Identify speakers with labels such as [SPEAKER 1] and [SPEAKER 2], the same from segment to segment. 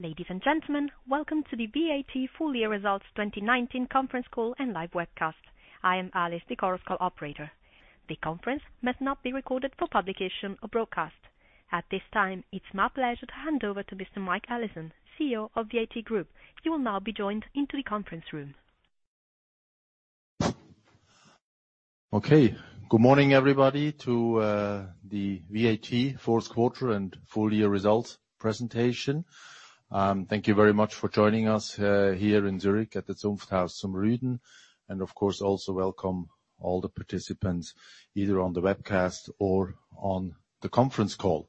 [SPEAKER 1] Ladies and gentlemen, welcome to the VAT Full Year Results 2019 Conference Call and Live Webcast. I am Alice, the conference call operator. The conference must not be recorded for publication or broadcast. At this time, it's my pleasure to hand over to Mr. Mike Allison, CEO of VAT Group. He will now be joined into the conference room.
[SPEAKER 2] Okay. Good morning, everybody, to the VAT fourth quarter and full year results presentation. Thank you very much for joining us here in Zurich at the Zunfthaus zum Rüden, and of course, also welcome all the participants, either on the webcast or on the conference call.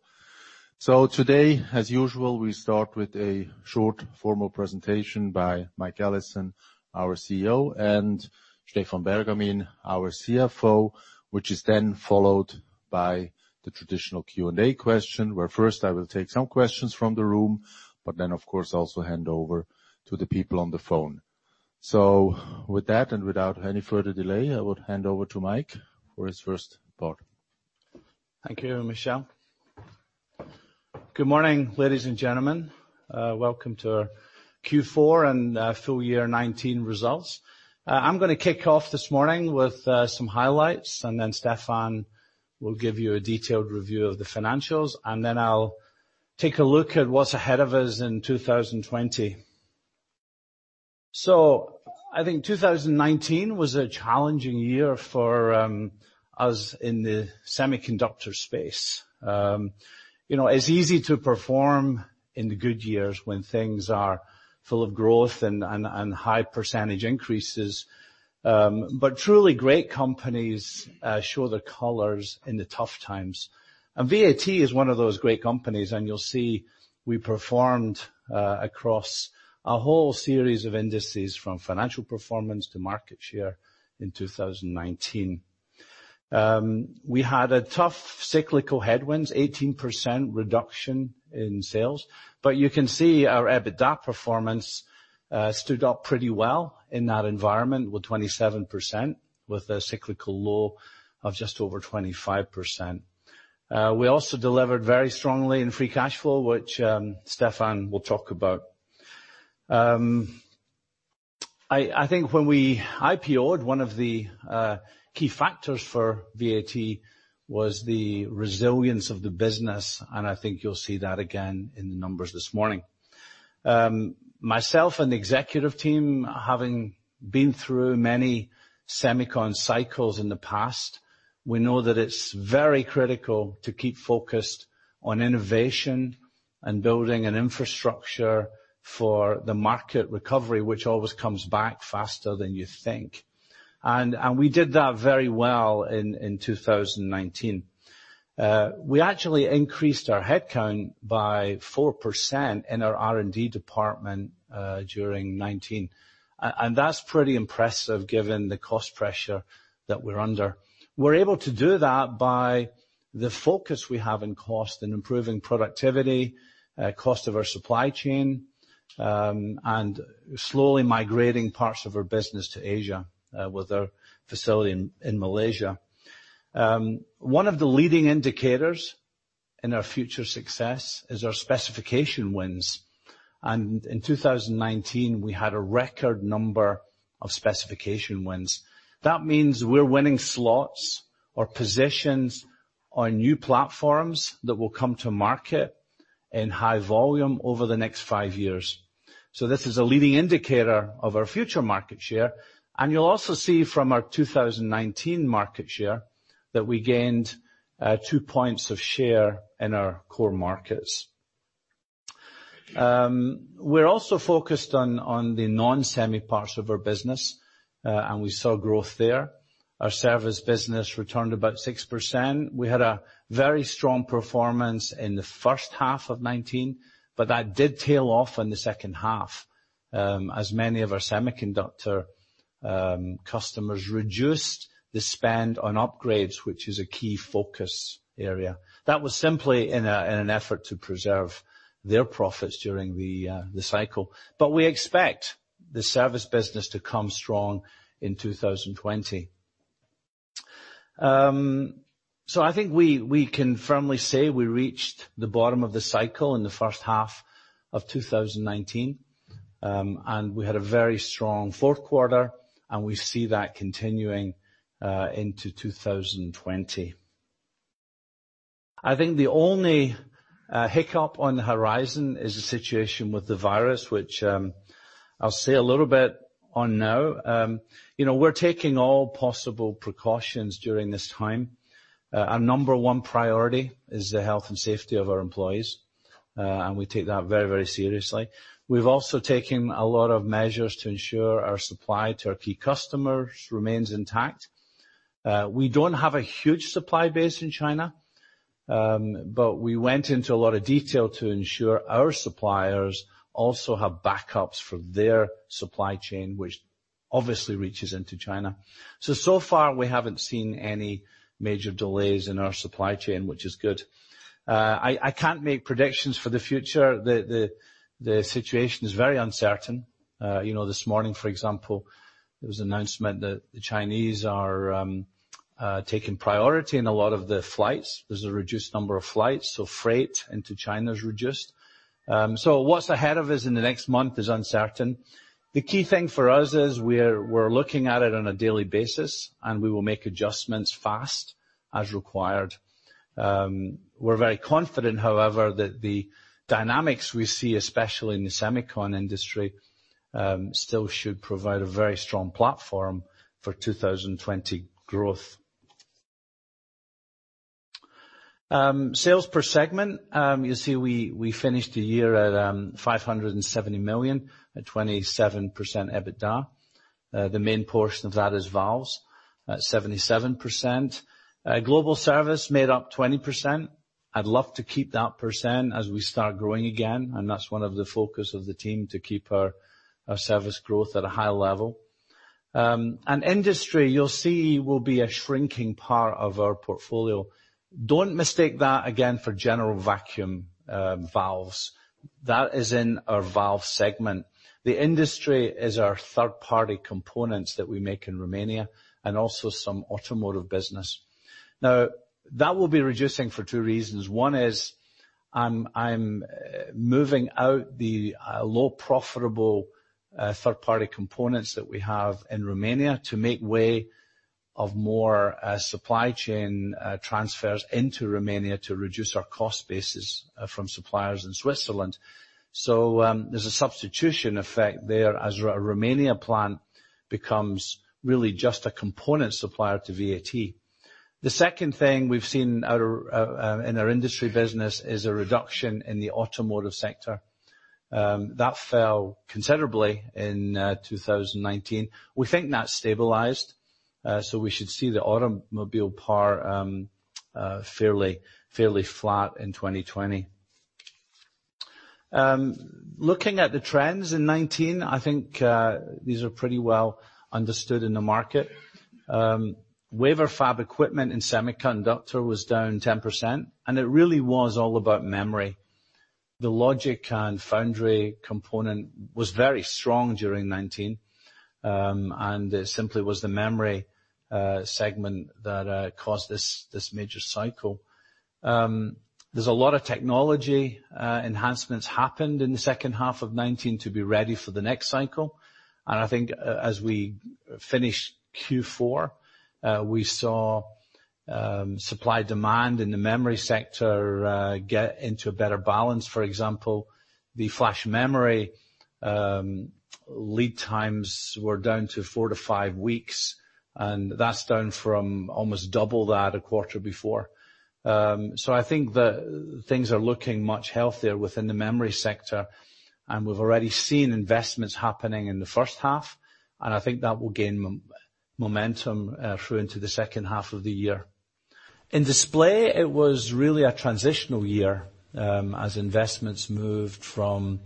[SPEAKER 2] Today, as usual, we start with a short formal presentation by Mike Allison, our CEO, and Stephan Bergamin, our CFO, which is then followed by the traditional Q&A question, where first I will take some questions from the room, but then, of course, also hand over to the people on the phone. With that, and without any further delay, I would hand over to Mike for his first part.
[SPEAKER 3] Thank you, Michel. Good morning, ladies and gentlemen. Welcome to our Q4 and full year 2019 results. I'm going to kick off this morning with some highlights. Stephan will give you a detailed review of the financials. I'll take a look at what's ahead of us in 2020. I think 2019 was a challenging year for us in the semiconductor space. It's easy to perform in the good years when things are full of growth and high percentage increases. Truly great companies show their colors in the tough times. VAT is one of those great companies. You'll see we performed across a whole series of indices, from financial performance to market share in 2019. We had a tough cyclical headwinds, 18% reduction in sales. You can see our EBITDA performance stood up pretty well in that environment with 27%, with a cyclical low of just over 25%. We also delivered very strongly in free cash flow, which Stephan will talk about. I think when we IPO'd, one of the key factors for VAT was the resilience of the business, and I think you'll see that again in the numbers this morning. Myself and the executive team, having been through many semicon cycles in the past, we know that it's very critical to keep focused on innovation and building an infrastructure for the market recovery, which always comes back faster than you think. We did that very well in 2019. We actually increased our headcount by 4% in our R&D department during 2019, and that's pretty impressive given the cost pressure that we're under. We're able to do that by the focus we have in cost and improving productivity, cost of our supply chain, and slowly migrating parts of our business to Asia with our facility in Malaysia. One of the leading indicators in our future success is our specification wins. In 2019, we had a record number of specification wins. That means we're winning slots or positions on new platforms that will come to market in high volume over the next five years. This is a leading indicator of our future market share, and you'll also see from our 2019 market share that we gained two points of share in our core markets. We're also focused on the non-semi parts of our business, and we saw growth there. Our service business returned about 6%. We had a very strong performance in the first half of 2019, that did tail off in the second half as many of our semiconductor customers reduced the spend on upgrades, which is a key focus area. That was simply in an effort to preserve their profits during the cycle. We expect the service business to come strong in 2020. I think we can firmly say we reached the bottom of the cycle in the first half of 2019. We had a very strong fourth quarter, and we see that continuing into 2020. I think the only hiccup on the horizon is the situation with the virus, which I'll say a little bit on now. We're taking all possible precautions during this time. Our number one priority is the health and safety of our employees, and we take that very, very seriously. We've also taken a lot of measures to ensure our supply to our key customers remains intact. We don't have a huge supply base in China, but we went into a lot of detail to ensure our suppliers also have backups for their supply chain, which obviously reaches into China. So far, we haven't seen any major delays in our supply chain, which is good. I can't make predictions for the future. The situation is very uncertain. This morning, for example, there was an announcement that the Chinese are taken priority in a lot of the flights. There's a reduced number of flights, so freight into China is reduced. What's ahead of us in the next month is uncertain. The key thing for us is we're looking at it on a daily basis, and we will make adjustments fast as required. We're very confident, however, that the dynamics we see, especially in the semicon industry, still should provide a very strong platform for 2020 growth. Sales per segment. You see we finished the year at 570 million at 27% EBITDA. The main portion of that is valves at 77%. Global service made up 20%. I'd love to keep that percent as we start growing again, that's one of the focus of the team to keep our service growth at a high level. Industry, you'll see, will be a shrinking part of our portfolio. Don't mistake that again for general vacuum valves. That is in our valve segment. The industry is our third-party components that we make in Romania and also some automotive business. That will be reducing for two reasons. One is, I'm moving out the low profitable third-party components that we have in Romania to make way of more supply chain transfers into Romania to reduce our cost basis from suppliers in Switzerland. There's a substitution effect there as our Romania plant becomes really just a component supplier to VAT. The second thing we've seen in our industry business is a reduction in the automotive sector. That fell considerably in 2019. We think that's stabilized, so we should see the automobile part fairly flat in 2020. Looking at the trends in 2019, I think these are pretty well understood in the market. Wafer fab equipment in semiconductor was down 10%, and it really was all about memory. The logic and foundry component was very strong during 2019, and it simply was the memory segment that caused this major cycle. There's a lot of technology enhancements happened in the second half of 2019 to be ready for the next cycle. I think as we finish Q4, we saw supply-demand in the memory sector get into a better balance. For example, the flash memory lead times were down to four to five weeks, and that's down from almost double that a quarter before. I think that things are looking much healthier within the memory sector, and we've already seen investments happening in the first half, and I think that will gain momentum through into the second half of the year. In display, it was really a transitional year as investments moved from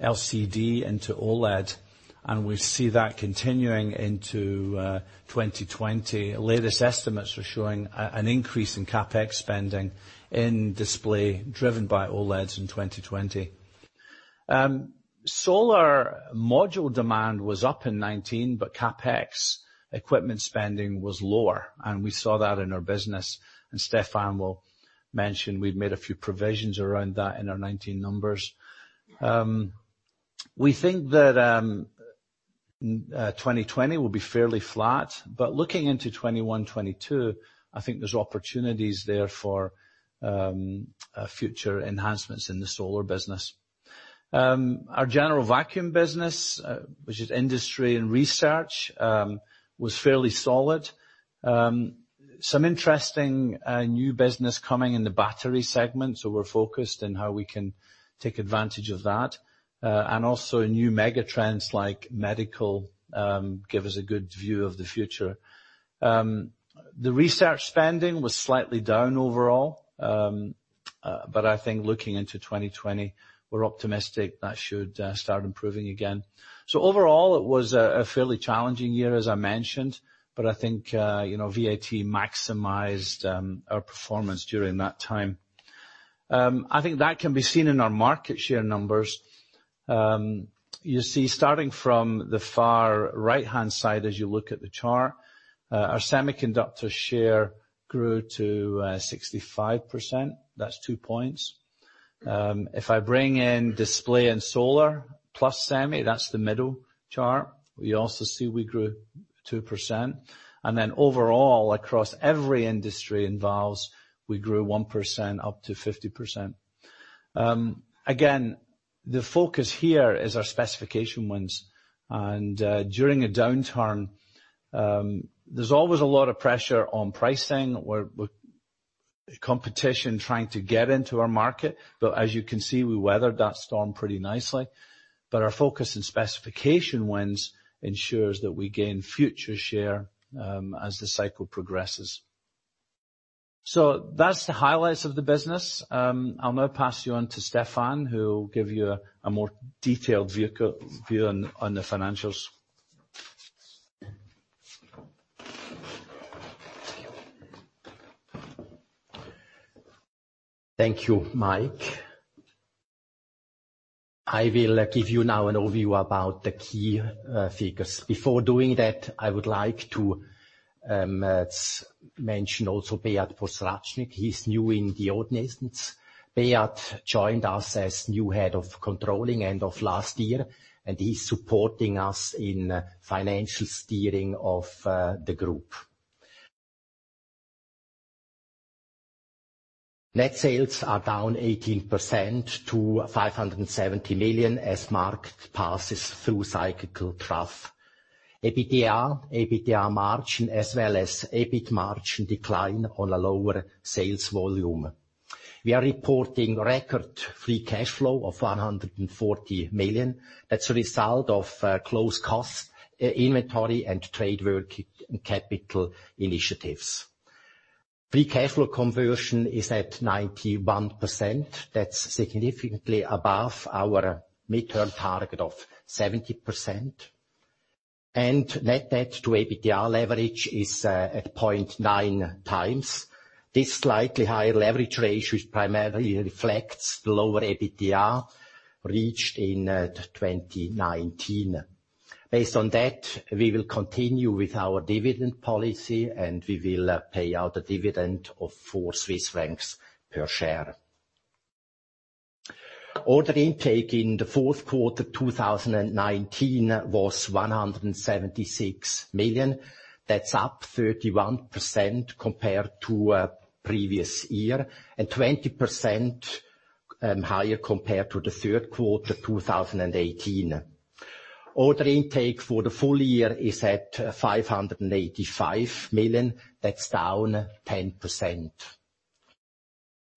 [SPEAKER 3] LCD into OLED, and we see that continuing into 2020. Latest estimates are showing an increase in CapEx spending in display driven by OLEDs in 2020. Solar module demand was up in 2019, but CapEx equipment spending was lower, we saw that in our business, Stephan will mention we've made a few provisions around that in our 2019 numbers. We think that 2020 will be fairly flat, but looking into 2021, 2022, I think there's opportunities there for future enhancements in the solar business. Our general vacuum business, which is industry and research, was fairly solid. Some interesting new business coming in the battery segment, we're focused on how we can take advantage of that. Also new mega trends like medical give us a good view of the future. The research spending was slightly down overall, but I think looking into 2020, we're optimistic that should start improving again. Overall, it was a fairly challenging year, as I mentioned, but I think VAT maximized our performance during that time. I think that can be seen in our market share numbers. You see, starting from the far right-hand side as you look at the chart, our semiconductor share grew to 65%. That's two points. If I bring in display and solar plus semi, that's the middle chart. We also see we grew 2%. Then overall, across every industry in valves, we grew 1% up to 50%. Again, the focus here is our specification wins. During a downturn, there's always a lot of pressure on pricing with competition trying to get into our market. As you can see, we weathered that storm pretty nicely. Our focus on specification wins ensures that we gain future share as the cycle progresses. That's the highlights of the business. I'll now pass you on to Stephan, who will give you a more detailed view on the financials.
[SPEAKER 4] Thank you, Mike. I will give you now an overview about the key figures. Before doing that, I would like to mention also Beat Posrachnik. He's new in the organization. Beat joined us as new Head of Controlling end of last year, and he's supporting us in financial steering of the group. Net sales are down 18% to 570 million as market passes through cyclical trough. EBITDA margin, as well as EBIT margin decline on a lower sales volume. We are reporting record free cash flow of 140 million. That's a result of close cost, inventory, and trade working capital initiatives. Free cash flow conversion is at 91%. That's significantly above our midterm target of 70%. Net debt to EBITDA leverage is at 0.9x. This slightly higher leverage rate, which primarily reflects the lower EBITDA reached in 2019. Based on that, we will continue with our dividend policy. We will pay out a dividend of 4 Swiss francs per share. Order intake in the fourth quarter 2019 was 176 million. That's up 31% compared to previous year, and 20% higher compared to the third quarter 2018. Order intake for the full year is at 585 million. That's down 10%.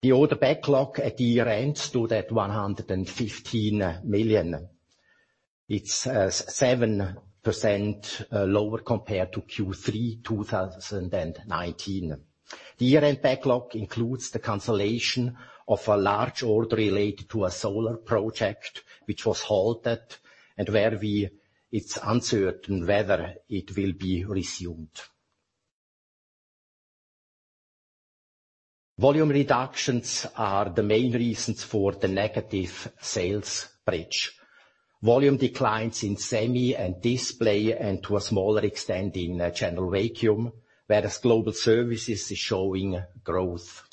[SPEAKER 4] The order backlog at year-end stood at 115 million. It's 7% lower compared to Q3 2019. The year-end backlog includes the cancellation of a large order related to a solar project, which was halted, and where it's uncertain whether it will be resumed. Volume reductions are the main reasons for the negative sales bridge. Volume declines in semi and display, and to a smaller extent, in general vacuum, whereas global services is showing growth.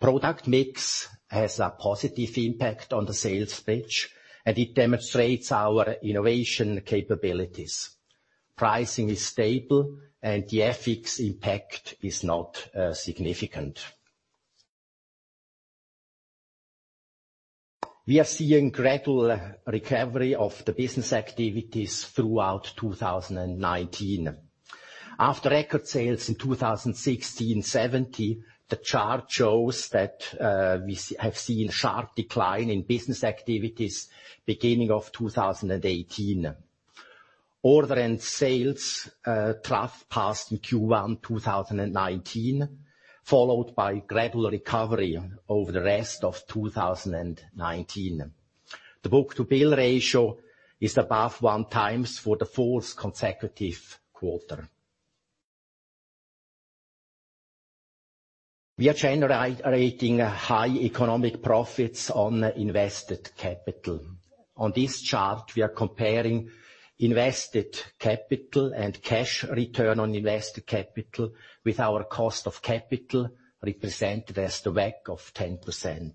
[SPEAKER 4] Product mix has a positive impact on the sales bridge, and it demonstrates our innovation capabilities. Pricing is stable, and the FX impact is not significant. We are seeing gradual recovery of the business activities throughout 2019. After record sales in 2016, 2017, the chart shows that we have seen sharp decline in business activities beginning of 2018. Order and sales trough passed in Q1 2019, followed by gradual recovery over the rest of 2019. The book-to-bill ratio is above one times for the fourth consecutive quarter. We are generating high economic profits on invested capital. On this chart, we are comparing invested capital and cash return on invested capital with our cost of capital represented as the WACC of 10%.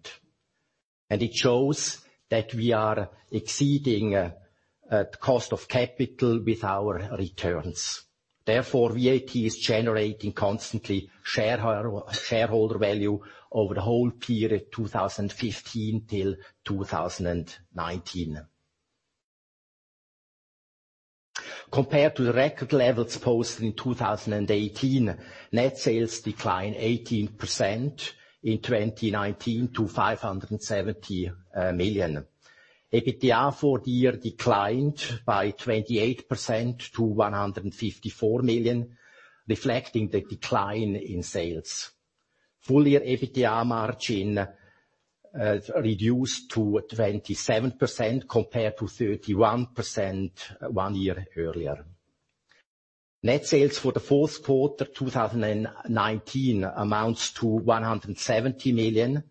[SPEAKER 4] It shows that we are exceeding the cost of capital with our returns. Therefore, VAT is generating constantly shareholder value over the whole period 2015 till 2019. Compared to the record levels posted in 2018, net sales declined 18% in 2019 to 570 million. EBITDA for the year declined by 28% to 154 million, reflecting the decline in sales. Full-year EBITDA margin reduced to 27% compared to 31% one year earlier. Net sales for the fourth quarter 2019 amounts to 170 million,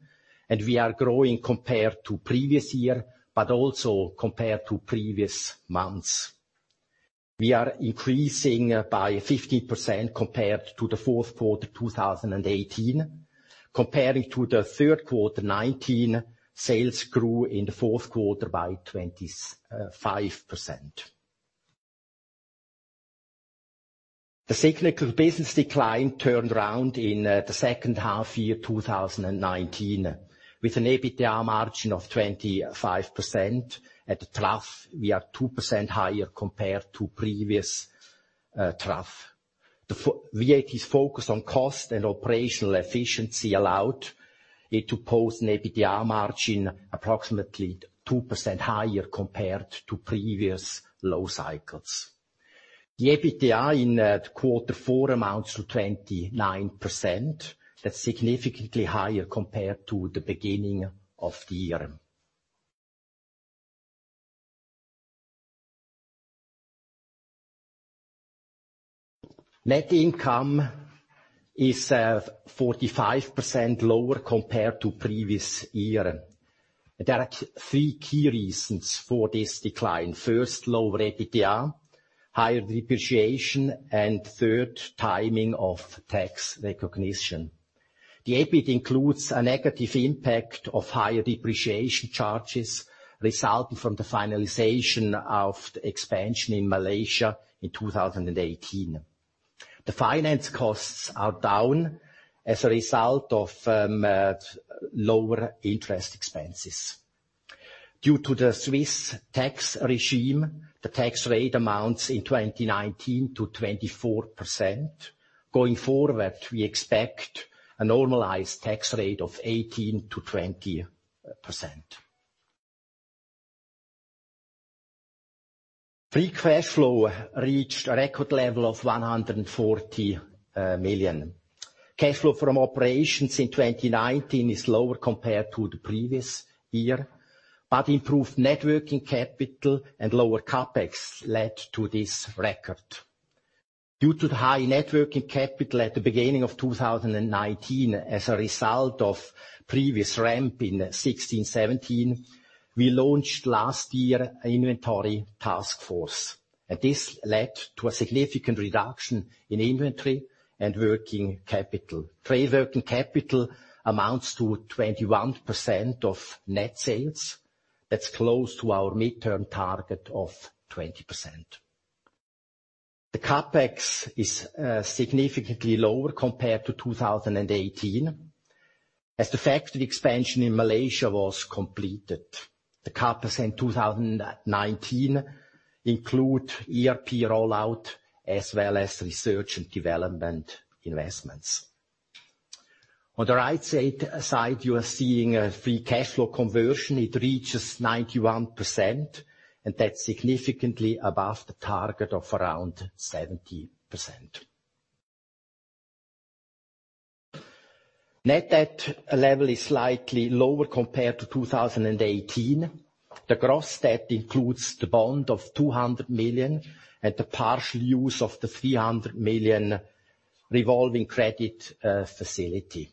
[SPEAKER 4] and we are growing compared to previous year, but also compared to previous months. We are increasing by 15% compared to the fourth quarter 2018. Comparing to the third quarter 2019, sales grew in the fourth quarter by 25%. The cyclical business decline turned around in the second half year 2019, with an EBITDA margin of 25%. At the trough, we are 2% higher compared to previous trough. VAT's focus on cost and operational efficiency allowed it to post an EBITDA margin approximately 2% higher compared to previous low cycles. The EBITDA in quarter four amounts to 29%. That's significantly higher compared to the beginning of the year. Net income is 45% lower compared to previous year. There are three key reasons for this decline. First, low EBITDA, higher depreciation, and third, timing of tax recognition. The EBIT includes a negative impact of higher depreciation charges resulting from the finalization of the expansion in Malaysia in 2018. The finance costs are down as a result of lower interest expenses. Due to the Swiss tax regime, the tax rate amounts in 2019 to 24%. Going forward, we expect a normalized tax rate of 18%-20%. Free cash flow reached a record level of 140 million. Cash flow from operations in 2019 is lower compared to the previous year, but improved net working capital and lower CapEx led to this record. Due to the high net working capital at the beginning of 2019 as a result of previous ramp in 2016, 2017, we launched last year an inventory task force. This led to a significant reduction in inventory and working capital. Trade working capital amounts to 21% of net sales. That's close to our midterm target of 20%. The CapEx is significantly lower compared to 2018, as the factory expansion in Malaysia was completed. The CapEx in 2019 include ERP rollout as well as research and development investments. On the right side, you are seeing a free cash flow conversion. It reaches 91%, that's significantly above the target of around 70%. Net debt level is slightly lower compared to 2018. The gross debt includes the bond of 200 million and the partial use of the 300 million revolving credit facility.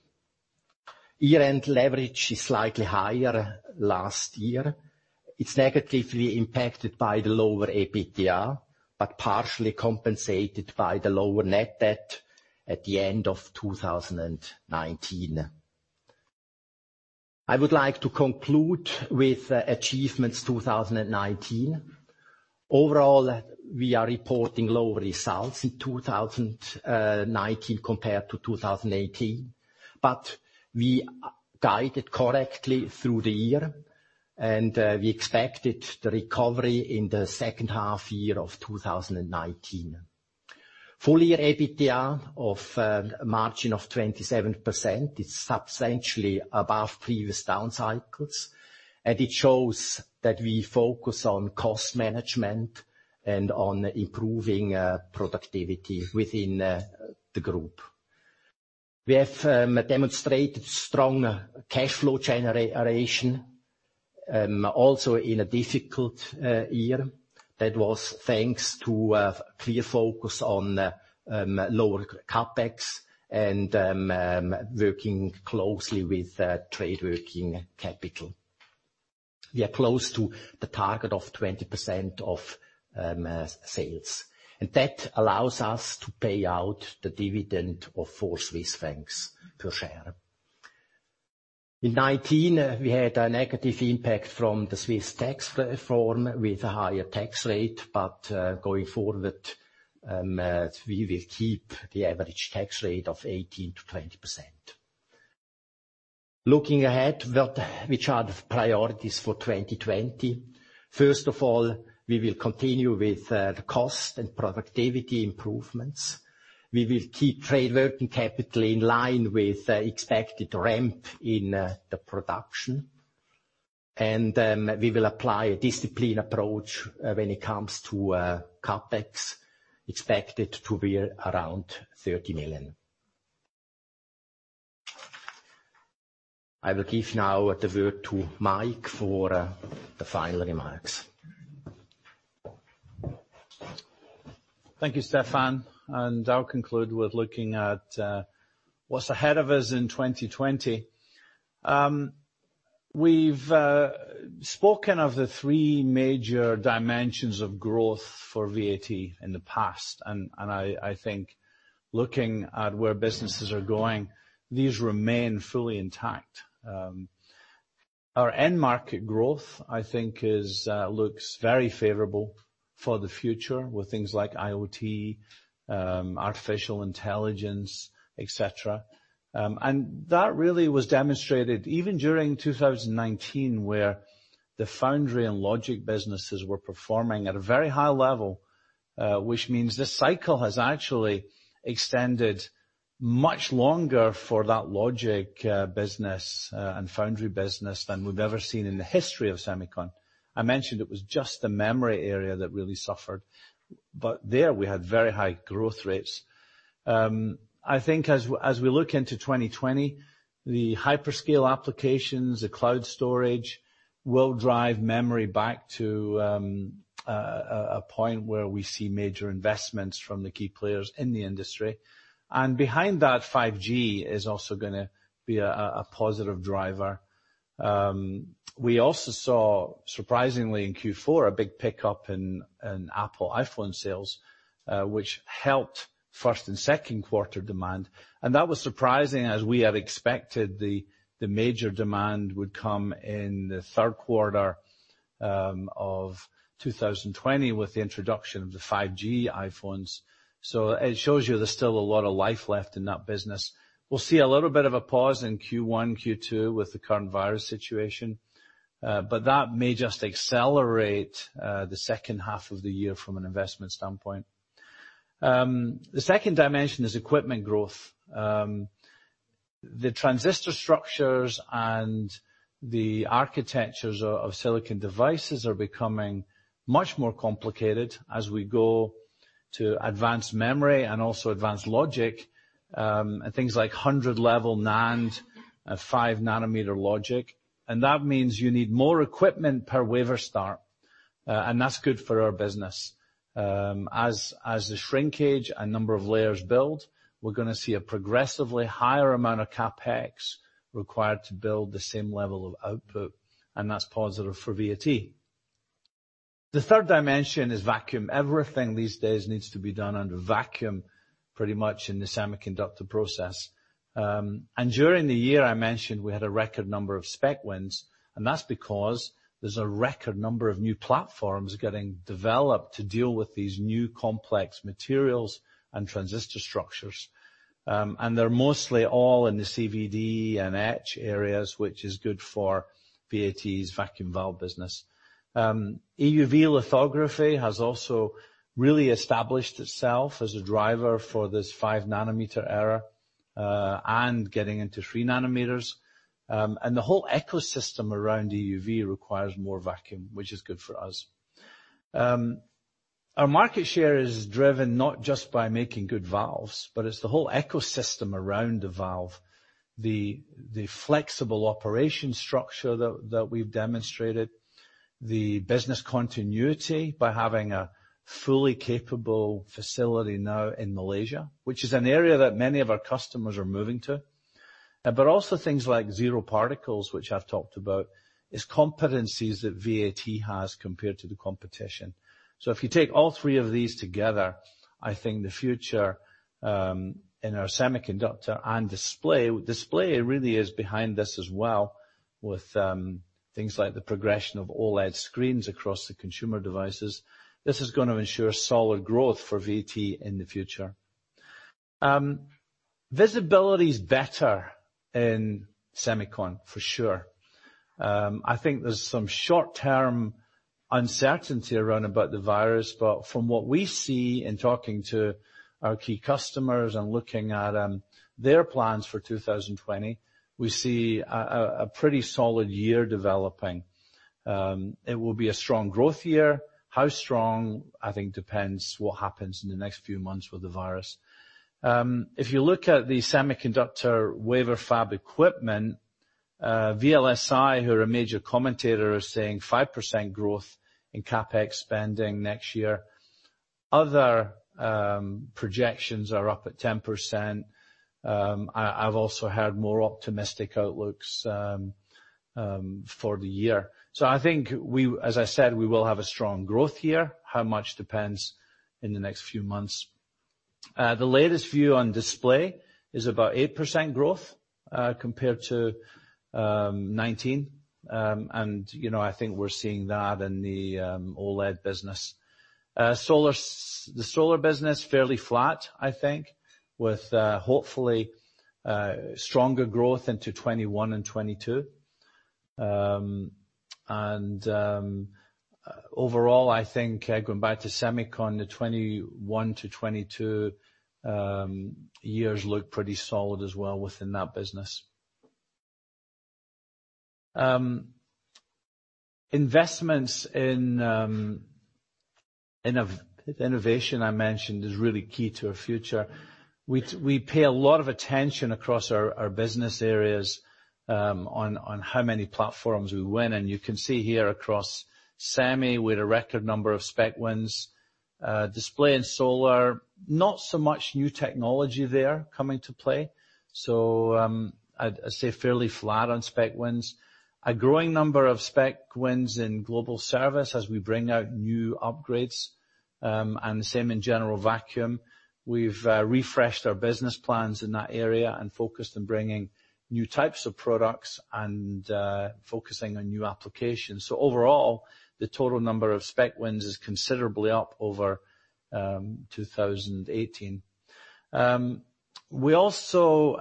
[SPEAKER 4] Year-end leverage is slightly higher last year. It's negatively impacted by the lower EBITDA, but partially compensated by the lower net debt at the end of 2019. I would like to conclude with achievements 2019. Overall, we are reporting low results in 2019 compared to 2018. We guided correctly through the year, and we expected the recovery in the second half year of 2019. Full year EBITDA of a margin of 27%. It's substantially above previous down cycles, and it shows that we focus on cost management and on improving productivity within the group. We have demonstrated strong cash flow generation, also in a difficult year. That was thanks to a clear focus on lower CapEx and working closely with trade working capital. We are close to the target of 20% of sales. That allows us to pay out the dividend of 4 Swiss francs per share. In 2019, we had a negative impact from the Swiss tax reform with a higher tax rate. Going forward, we will keep the average tax rate of 18%-20%. Looking ahead, which are the priorities for 2020? First of all, we will continue with the cost and productivity improvements. We will keep trade working capital in line with expected ramp in the production. We will apply a disciplined approach when it comes to CapEx, expected to be around 30 million. I will give now the word to Mike for the final remarks.
[SPEAKER 3] Thank you, Stephan, I'll conclude with looking at what's ahead of us in 2020. We've spoken of the three major dimensions of growth for VAT in the past, I think looking at where businesses are going, these remain fully intact. Our end market growth, I think, looks very favorable for the future with things like IoT, artificial intelligence, et cetera. That really was demonstrated even during 2019, where the foundry and logic businesses were performing at a very high level, which means this cycle has actually extended much longer for that logic business and foundry business than we've ever seen in the history of semicon. I mentioned it was just the memory area that really suffered. There we had very high growth rates. I think as we look into 2020, the hyperscale applications, the cloud storage will drive memory back to a point where we see major investments from the key players in the industry. Behind that, 5G is also going to be a positive driver. We also saw, surprisingly, in Q4, a big pickup in Apple iPhone sales, which helped first and second quarter demand. That was surprising as we had expected the major demand would come in the third quarter of 2020 with the introduction of the 5G iPhones. It shows you there's still a lot of life left in that business. We'll see a little bit of a pause in Q1, Q2 with the current virus situation, but that may just accelerate the second half of the year from an investment standpoint. The second dimension is equipment growth. The transistor structures and the architectures of silicon devices are becoming much more complicated as we go to advanced memory and also advanced logic, things like 100 level NAND and five nanometer logic. That means you need more equipment per wafer start, and that's good for our business. As the shrinkage and number of layers build, we're going to see a progressively higher amount of CapEx required to build the same level of output, that's positive for VAT. The third dimension is vacuum. Everything these days needs to be done under vacuum, pretty much in the semiconductor process. During the year, I mentioned we had a record number of spec wins, and that's because there's a record number of new platforms getting developed to deal with these new complex materials and transistor structures. They're mostly all in the CVD and etch areas, which is good for VAT's vacuum valve business. EUV lithography has also really established itself as a driver for this five nanometer era, and getting into three nanometers. The whole ecosystem around EUV requires more vacuum, which is good for us. Our market share is driven not just by making good valves, but it's the whole ecosystem around the valve. The flexible operation structure that we've demonstrated, the business continuity by having a fully capable facility now in Malaysia, which is an area that many of our customers are moving to. Also things like zero particles, which I've talked about, is competencies that VAT has compared to the competition. If you take all three of these together, I think the future in our semiconductor and display really is behind this as well with things like the progression of OLED screens across the consumer devices. This is going to ensure solid growth for VAT in the future. Visibility is better in semicon, for sure. I think there is some short-term uncertainty around about the virus, but from what we see in talking to our key customers and looking at their plans for 2020, we see a pretty solid year developing. It will be a strong growth year. How strong, I think, depends what happens in the next few months with the virus. If you look at the semiconductor wafer fab equipment, VLSI, who are a major commentator, are saying 5% growth in CapEx spending next year. Other projections are up at 10%. I've also heard more optimistic outlooks for the year. I think as I said, we will have a strong growth year. How much depends in the next few months. The latest view on display is about 8% growth, compared to 2019. I think we're seeing that in the OLED business. The solar business, fairly flat, I think, with hopefully stronger growth into 2021 and 2022. Overall, I think going back to semicon, the 2021 to 2022 years look pretty solid as well within that business. Investments in innovation I mentioned is really key to our future. We pay a lot of attention across our business areas, on how many platforms we win, and you can see here across semi, we had a record number of spec wins. Display and solar, not so much new technology there coming to play. I'd say fairly flat on spec wins. A growing number of spec wins in global service as we bring out new upgrades, and the same in general vacuum. We've refreshed our business plans in that area and focused on bringing new types of products and focusing on new applications. Overall, the total number of spec wins is considerably up over 2018. We also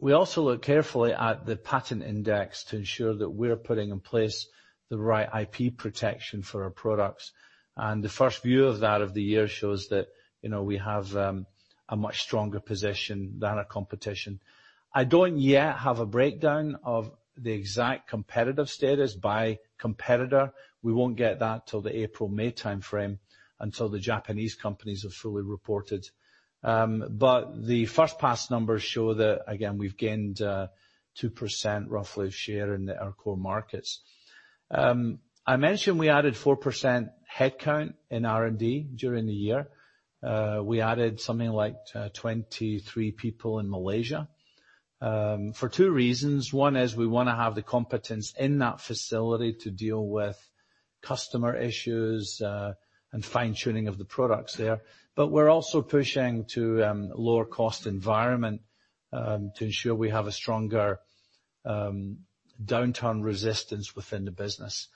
[SPEAKER 3] look carefully at the patent index to ensure that we're putting in place the right IP protection for our products. The first view of that of the year shows that we have a much stronger position than our competition. I don't yet have a breakdown of the exact competitive status by competitor. We won't get that till the April-May timeframe, until the Japanese companies have fully reported. The first pass numbers show that, again, we've gained 2% roughly of share in our core markets. I mentioned we added 4% headcount in R&D during the year. We added something like 23 people in Malaysia. For two reasons. One is we want to have the competence in that facility to deal with customer issues and fine-tuning of the products there. We're also pushing to lower cost environment to ensure we have a stronger downturn resistance within the business.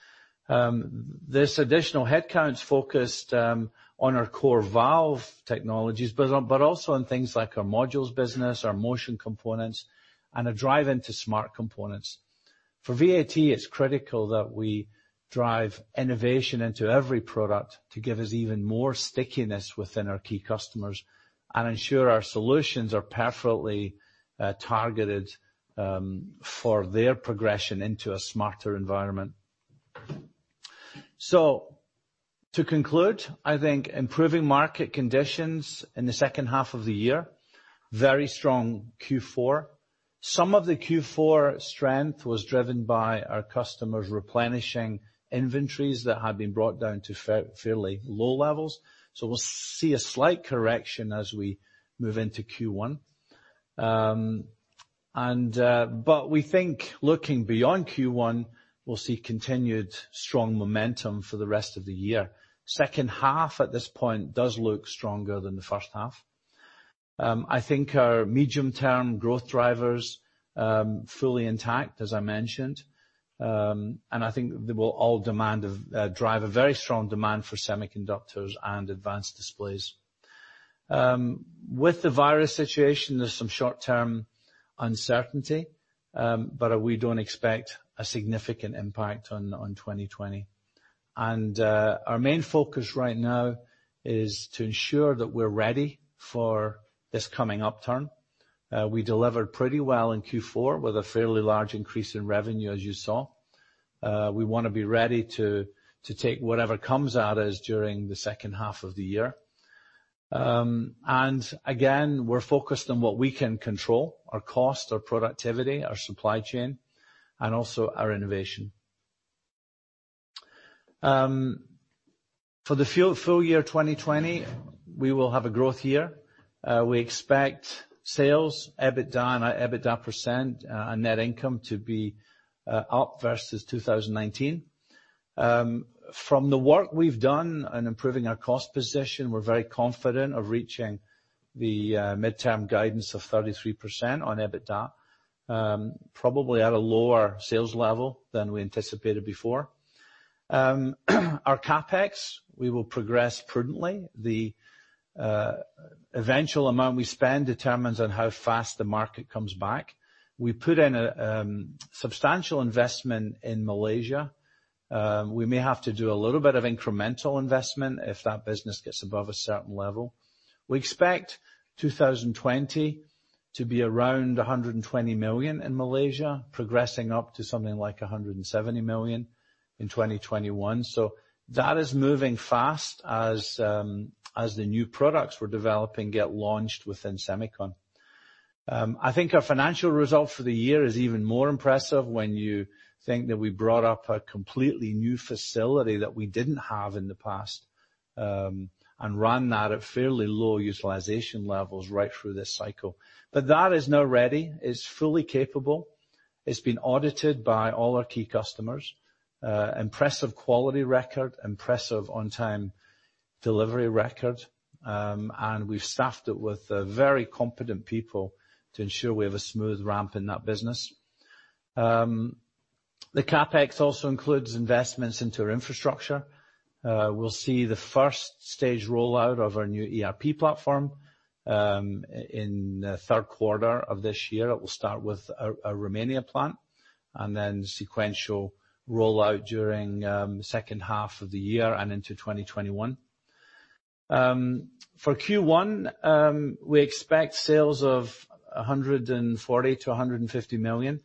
[SPEAKER 3] This additional headcount is focused on our core valve technologies, but also on things like our modules business, our motion components, and a drive into smart components. For VAT, it's critical that we drive innovation into every product to give us even more stickiness within our key customers and ensure our solutions are perfectly targeted for their progression into a smarter environment. To conclude, I think improving market conditions in the second half of the year, very strong Q4. Some of the Q4 strength was driven by our customers replenishing inventories that had been brought down to fairly low levels. We'll see a slight correction as we move into Q1. We think looking beyond Q1, we'll see continued strong momentum for the rest of the year. Second half, at this point, does look stronger than the first half. I think our medium-term growth driver is fully intact, as I mentioned. I think they will all drive a very strong demand for semiconductors and advanced displays. With the virus situation, there's some short-term uncertainty, but we don't expect a significant impact on 2020. Our main focus right now is to ensure that we're ready for this coming upturn. We delivered pretty well in Q4 with a fairly large increase in revenue, as you saw. We want to be ready to take whatever comes at us during the second half of the year. Again, we're focused on what we can control, our cost, our productivity, our supply chain, and also our innovation. For the full year 2020, we will have a growth year. We expect sales, EBITDA, and EBITDA percent and net income to be up versus 2019. From the work we've done on improving our cost position, we're very confident of reaching the midterm guidance of 33% on EBITDA, probably at a lower sales level than we anticipated before. Our CapEx, we will progress prudently. The eventual amount we spend determines on how fast the market comes back. We put in a substantial investment in Malaysia. We may have to do a little bit of incremental investment if that business gets above a certain level. We expect 2020 to be around 120 million in Malaysia, progressing up to something like 170 million in 2021. That is moving fast as the new products we're developing get launched within semicon. I think our financial result for the year is even more impressive when you think that we brought up a completely new facility that we didn't have in the past, and ran that at fairly low utilization levels right through this cycle. That is now ready. It's fully capable. It's been audited by all our key customers. Impressive quality record, impressive on-time delivery record, and we've staffed it with very competent people to ensure we have a smooth ramp in that business. The CapEx also includes investments into our infrastructure. We'll see the first-stage rollout of our new ERP platform in the third quarter of this year. It will start with our Romania plant, and then sequential rollout during second half of the year and into 2021. For Q1, we expect sales of 140 million-150 million.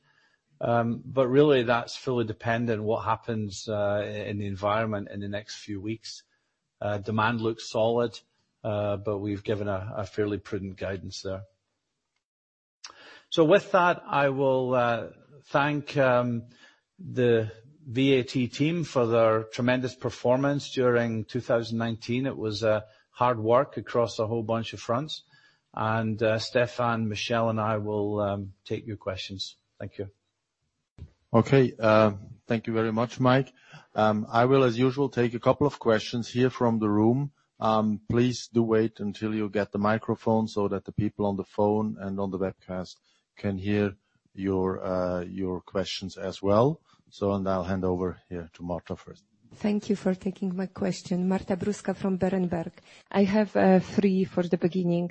[SPEAKER 3] Really that's fully dependent what happens in the environment in the next few weeks. Demand looks solid, but we've given a fairly prudent guidance there. With that, I will thank the VAT team for their tremendous performance during 2019. It was hard work across a whole bunch of fronts. Stephan, Michel, and I will take your questions. Thank you.
[SPEAKER 2] Okay. Thank you very much, Mike. I will, as usual, take a couple of questions here from the room. Please do wait until you get the microphone so that the people on the phone and on the webcast can hear your questions as well. I'll hand over here to Marta first.
[SPEAKER 5] Thank you for taking my question. Marta Bruska from Berenberg. I have three for the beginning.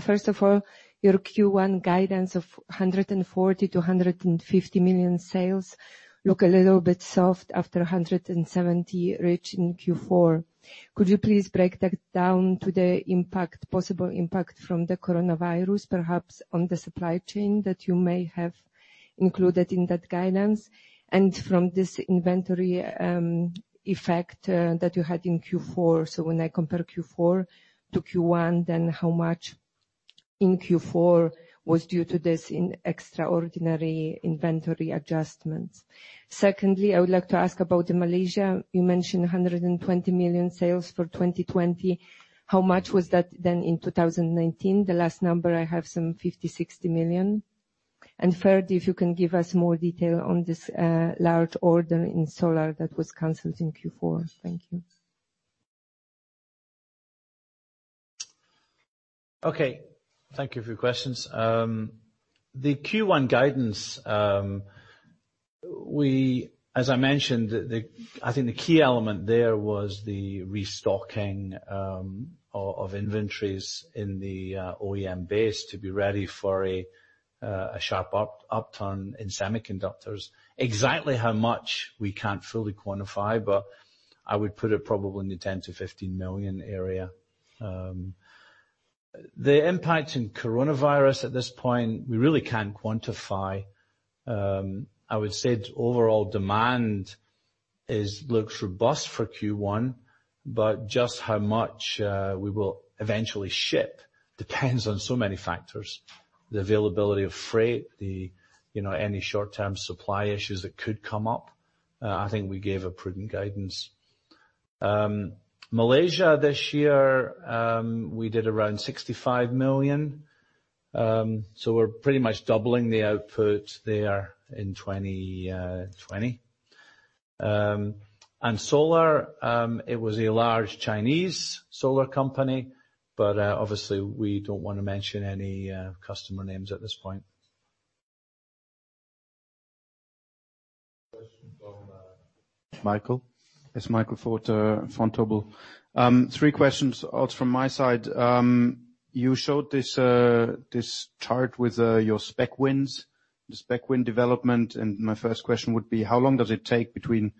[SPEAKER 5] First of all, your Q1 guidance of 140 million-150 million sales looks a little bit soft after 170 million reached in Q4. Could you please break that down to the possible impact from the coronavirus, perhaps on the supply chain that you may have included in that guidance? From this inventory effect that you had in Q4, when I compare Q4 to Q1, how much in Q4 was due to this extraordinary inventory adjustments? Secondly, I would like to ask about Malaysia. You mentioned 120 million sales for 2020. How much was that in 2019? The last number I have, some 50 million, 60 million. Third, if you can give us more detail on this large order in solar that was canceled in Q4? Thank you.
[SPEAKER 3] Okay. Thank you for your questions. The Q1 guidance, as I mentioned, I think the key element there was the restocking of inventories in the OEM base to be ready for a sharp upturn in semiconductors. Exactly how much we can't fully quantify, but I would put it probably in the 10 million-15 million area. The impact in coronavirus at this point, we really can't quantify. I would say overall demand looks robust for Q1, but just how much we will eventually ship depends on so many factors. The availability of freight, any short-term supply issues that could come up. I think we gave a prudent guidance. Malaysia this year, we did around 65 million. We're pretty much doubling the output there in 2020. Solar, it was a large Chinese solar company. Obviously we don't want to mention any customer names at this point.
[SPEAKER 2] Question from Michael.
[SPEAKER 6] It's Michael Foeth, Vontobel. Three questions from my side. My first question would be, how long does it take between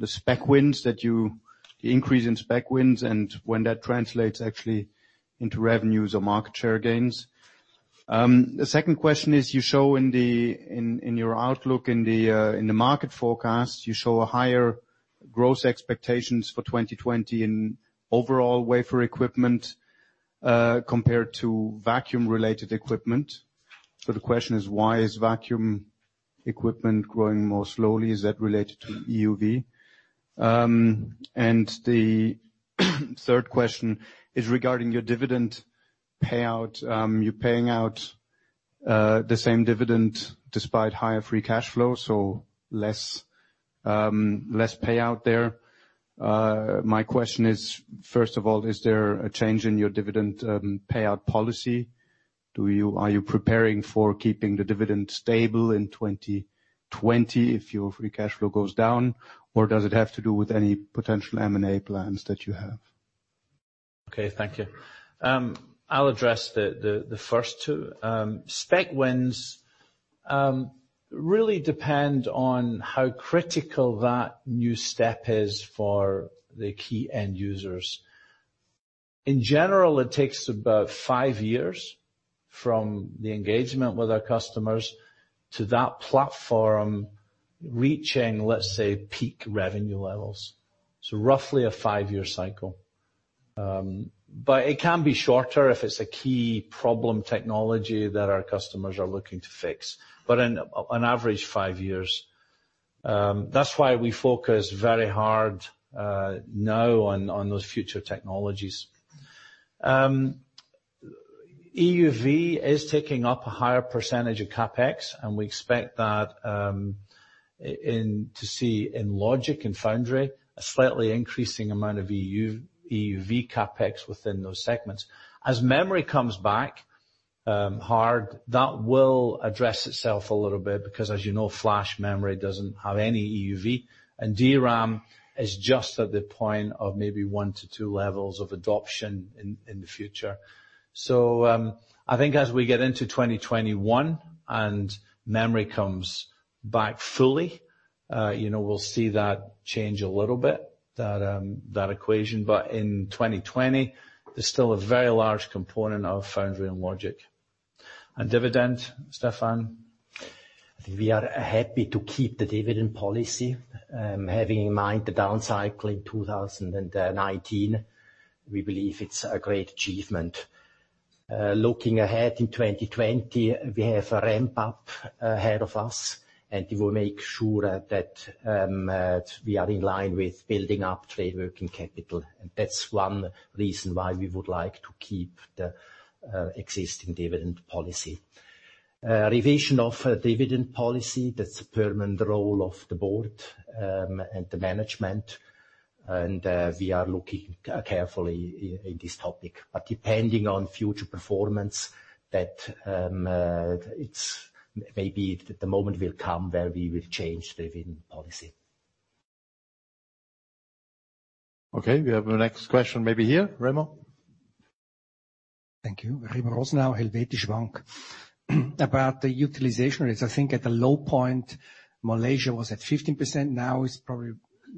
[SPEAKER 6] the spec wins that you increase in spec wins, and when that translates actually into revenues or market share gains? The second question is, you show in your outlook in the market forecast, you show a higher growth expectations for 2020 in overall wafer equipment, compared to vacuum-related equipment. The question is, why is vacuum equipment growing more slowly? Is that related to EUV? The third question is regarding your dividend payout. You're paying out the same dividend despite higher free cash flow, so less payout there. My question is, first of all, is there a change in your dividend payout policy? Are you preparing for keeping the dividend stable in 2020 if your free cash flow goes down? Does it have to do with any potential M&A plans that you have?
[SPEAKER 3] Okay, thank you. I'll address the first two. Spec wins really depend on how critical that new step is for the key end users. In general, it takes about five years from the engagement with our customers to that platform reaching, let's say, peak revenue levels. Roughly a five-year cycle. It can be shorter if it's a key problem technology that our customers are looking to fix, but on average, five years. That's why we focus very hard now on those future technologies. EUV is taking up a higher percentage of CapEx, and we expect that to see in logic and foundry a slightly increasing amount of EUV CapEx within those segments. As memory comes back hard, that will address itself a little bit because as you know, flash memory doesn't have any EUV, and DRAM is just at the point of maybe one to two levels of adoption in the future. I think as we get into 2021 and memory comes back fully, we'll see that change a little bit, that equation. In 2020, there's still a very large component of foundry and logic. Dividend, Stephan?
[SPEAKER 4] We are happy to keep the dividend policy. Having in mind the down cycle in 2019, we believe it's a great achievement. Looking ahead in 2020, we have a ramp-up ahead of us, we will make sure that we are in line with building up trade working capital. That's one reason why we would like to keep the existing dividend policy. Revision of dividend policy, that's the permanent role of the board, and the management. We are looking carefully in this topic, but depending on future performance, maybe the moment will come where we will change dividend policy.
[SPEAKER 2] Okay, we have the next question maybe here, Remo.
[SPEAKER 7] Thank you. Remo Rosenau, Helvetische Bank. About the utilization rates, I think at the low point, Malaysia was at 15%. Now it's probably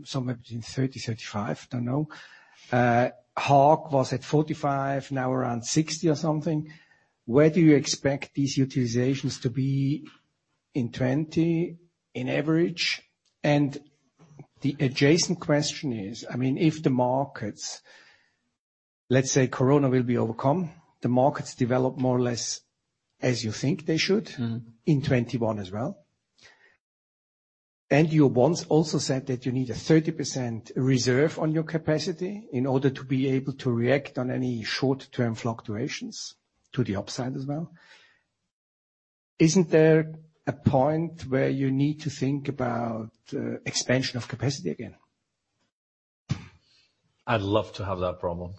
[SPEAKER 7] somewhere between 30%, 35%. Don't know. Haag was at 45%, now around 60% or something. Where do you expect these utilizations to be in 2020 in average? The adjacent question is, if the markets, let's say Corona will be overcome, the markets develop more or less as you think they should in 2021 as well. You once also said that you need a 30% reserve on your capacity in order to be able to react on any short-term fluctuations to the upside as well. Isn't there a point where you need to think about expansion of capacity again?
[SPEAKER 3] I'd love to have that problem.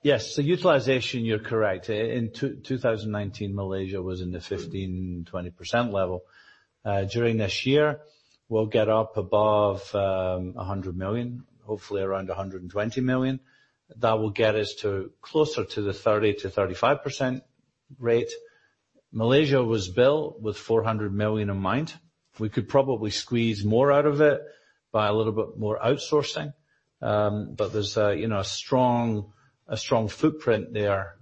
[SPEAKER 3] Yes. Utilization, you're correct. In 2019, Malaysia was in the 15%-20% level. During this year, we'll get up above 100 million, hopefully around 120 million. That will get us closer to the 30%-35% rate. Malaysia was built with 400 million in mind. We could probably squeeze more out of it by a little bit more outsourcing. There's a strong footprint there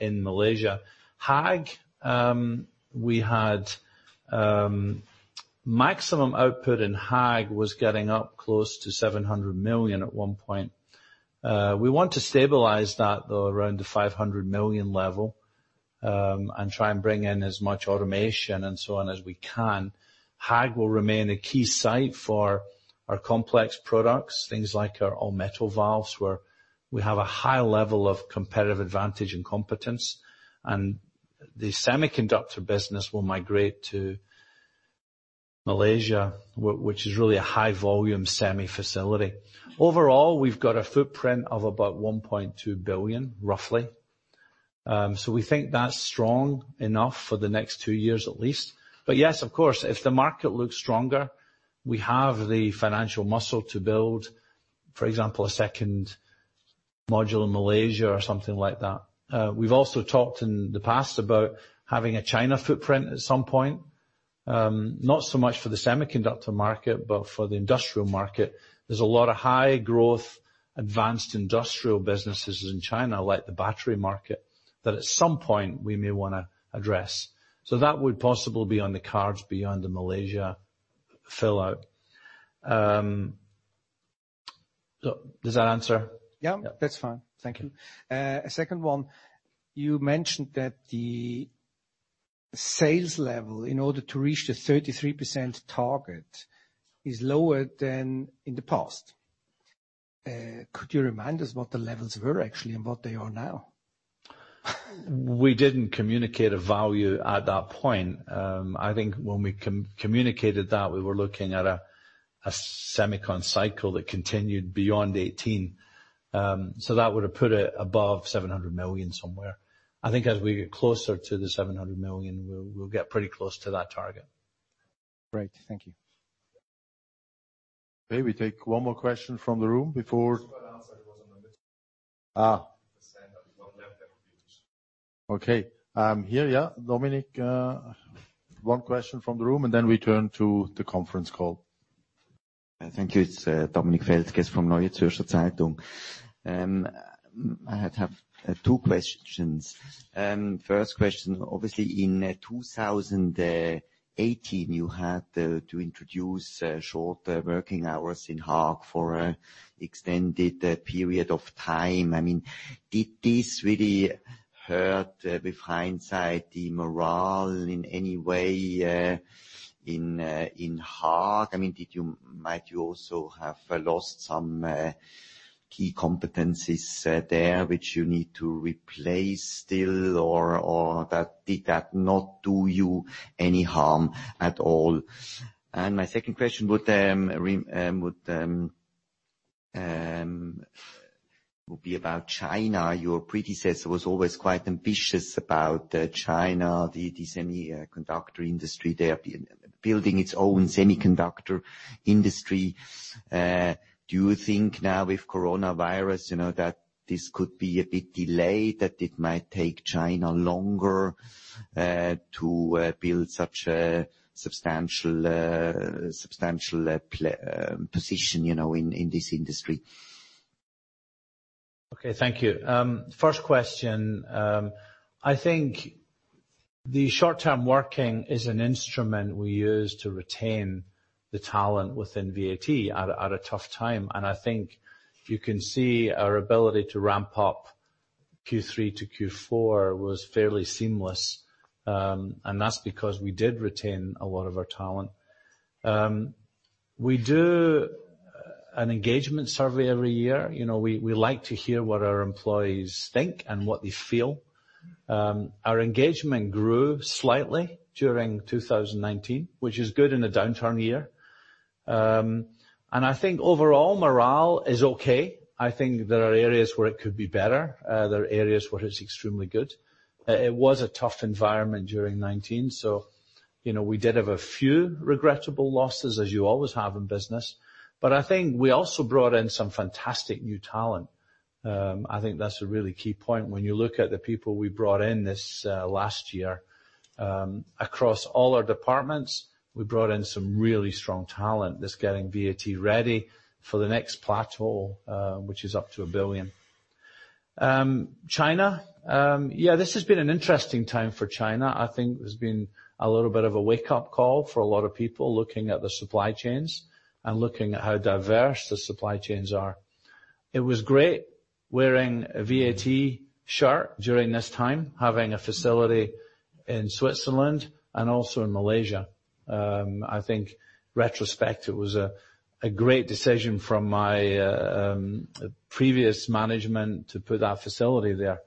[SPEAKER 3] in Malaysia. Haag, we had maximum output in Haag was getting up close to 700 million at one point. We want to stabilize that, though, around the 500 million level, and try and bring in as much automation and so on as we can. Haag will remain a key site for our complex products, things like our All-Metal Valves, where we have a high level of competitive advantage and competence. The semiconductor business will migrate to Malaysia, which is really a high volume semi facility. Overall, we've got a footprint of about 1.2 billion, roughly. We think that's strong enough for the next two years at least. Yes, of course, if the market looks stronger, we have the financial muscle to build, for example, a second module in Malaysia or something like that. We've also talked in the past about having a China footprint at some point. Not so much for the semiconductor market, but for the industrial market. There's a lot of high growth advanced industrial businesses in China, like the battery market, that at some point we may want to address. That would possibly be on the cards beyond the Malaysia fill out. Does that answer?
[SPEAKER 7] Yeah.
[SPEAKER 3] Yeah.
[SPEAKER 7] That's fine. Thank you. Second one, you mentioned that the sales level, in order to reach the 33% target is lower than in the past. Could you remind us what the levels were actually and what they are now?
[SPEAKER 3] We didn't communicate a value at that point. I think when we communicated that, we were looking at a semicon cycle that continued beyond 2018. That would have put it above 700 million somewhere. I think as we get closer to the 700 million, we'll get pretty close to that target.
[SPEAKER 7] Great. Thank you.
[SPEAKER 2] Okay. We take one more question from the room. Okay. Here. Dominik, one question from the room, we turn to the conference call.
[SPEAKER 8] Thank you. It's Dominik Feldges from Neue Zürcher Zeitung. I have two questions. First question, obviously in 2018, you had to introduce shorter working hours in Haag for extended period of time. Did this really hurt, with hindsight, the morale in any way in Haag? Might you also have lost some key competencies there which you need to replace still, or did that not do you any harm at all? My second question would be about China. Your predecessor was always quite ambitious about China, the semiconductor industry there, building its own semiconductor industry. Do you think now with coronavirus, that this could be a bit delayed, that it might take China longer to build such a substantial position in this industry?
[SPEAKER 3] Okay. Thank you. First question. I think the short-term working is an instrument we use to retain the talent within VAT at a tough time. I think you can see our ability to ramp up Q3 to Q4 was fairly seamless. That's because we did retain a lot of our talent. We do an engagement survey every year. We like to hear what our employees think and what they feel. Our engagement grew slightly during 2019, which is good in a downturn year. I think overall morale is okay. I think there are areas where it could be better. There are areas where it's extremely good. It was a tough environment during 2019, so we did have a few regrettable losses, as you always have in business. I think we also brought in some fantastic new talent. I think that's a really key point. When you look at the people we brought in this last year, across all our departments, we brought in some really strong talent that's getting VAT ready for the next plateau, which is up to one billion. China. Yeah, this has been an interesting time for China. I think there's been a little bit of a wake-up call for a lot of people looking at the supply chains and looking at how diverse the supply chains are. It was great wearing a VAT shirt during this time, having a facility in Switzerland and also in Malaysia. I think retrospect, it was a great decision from my previous management to put that facility there.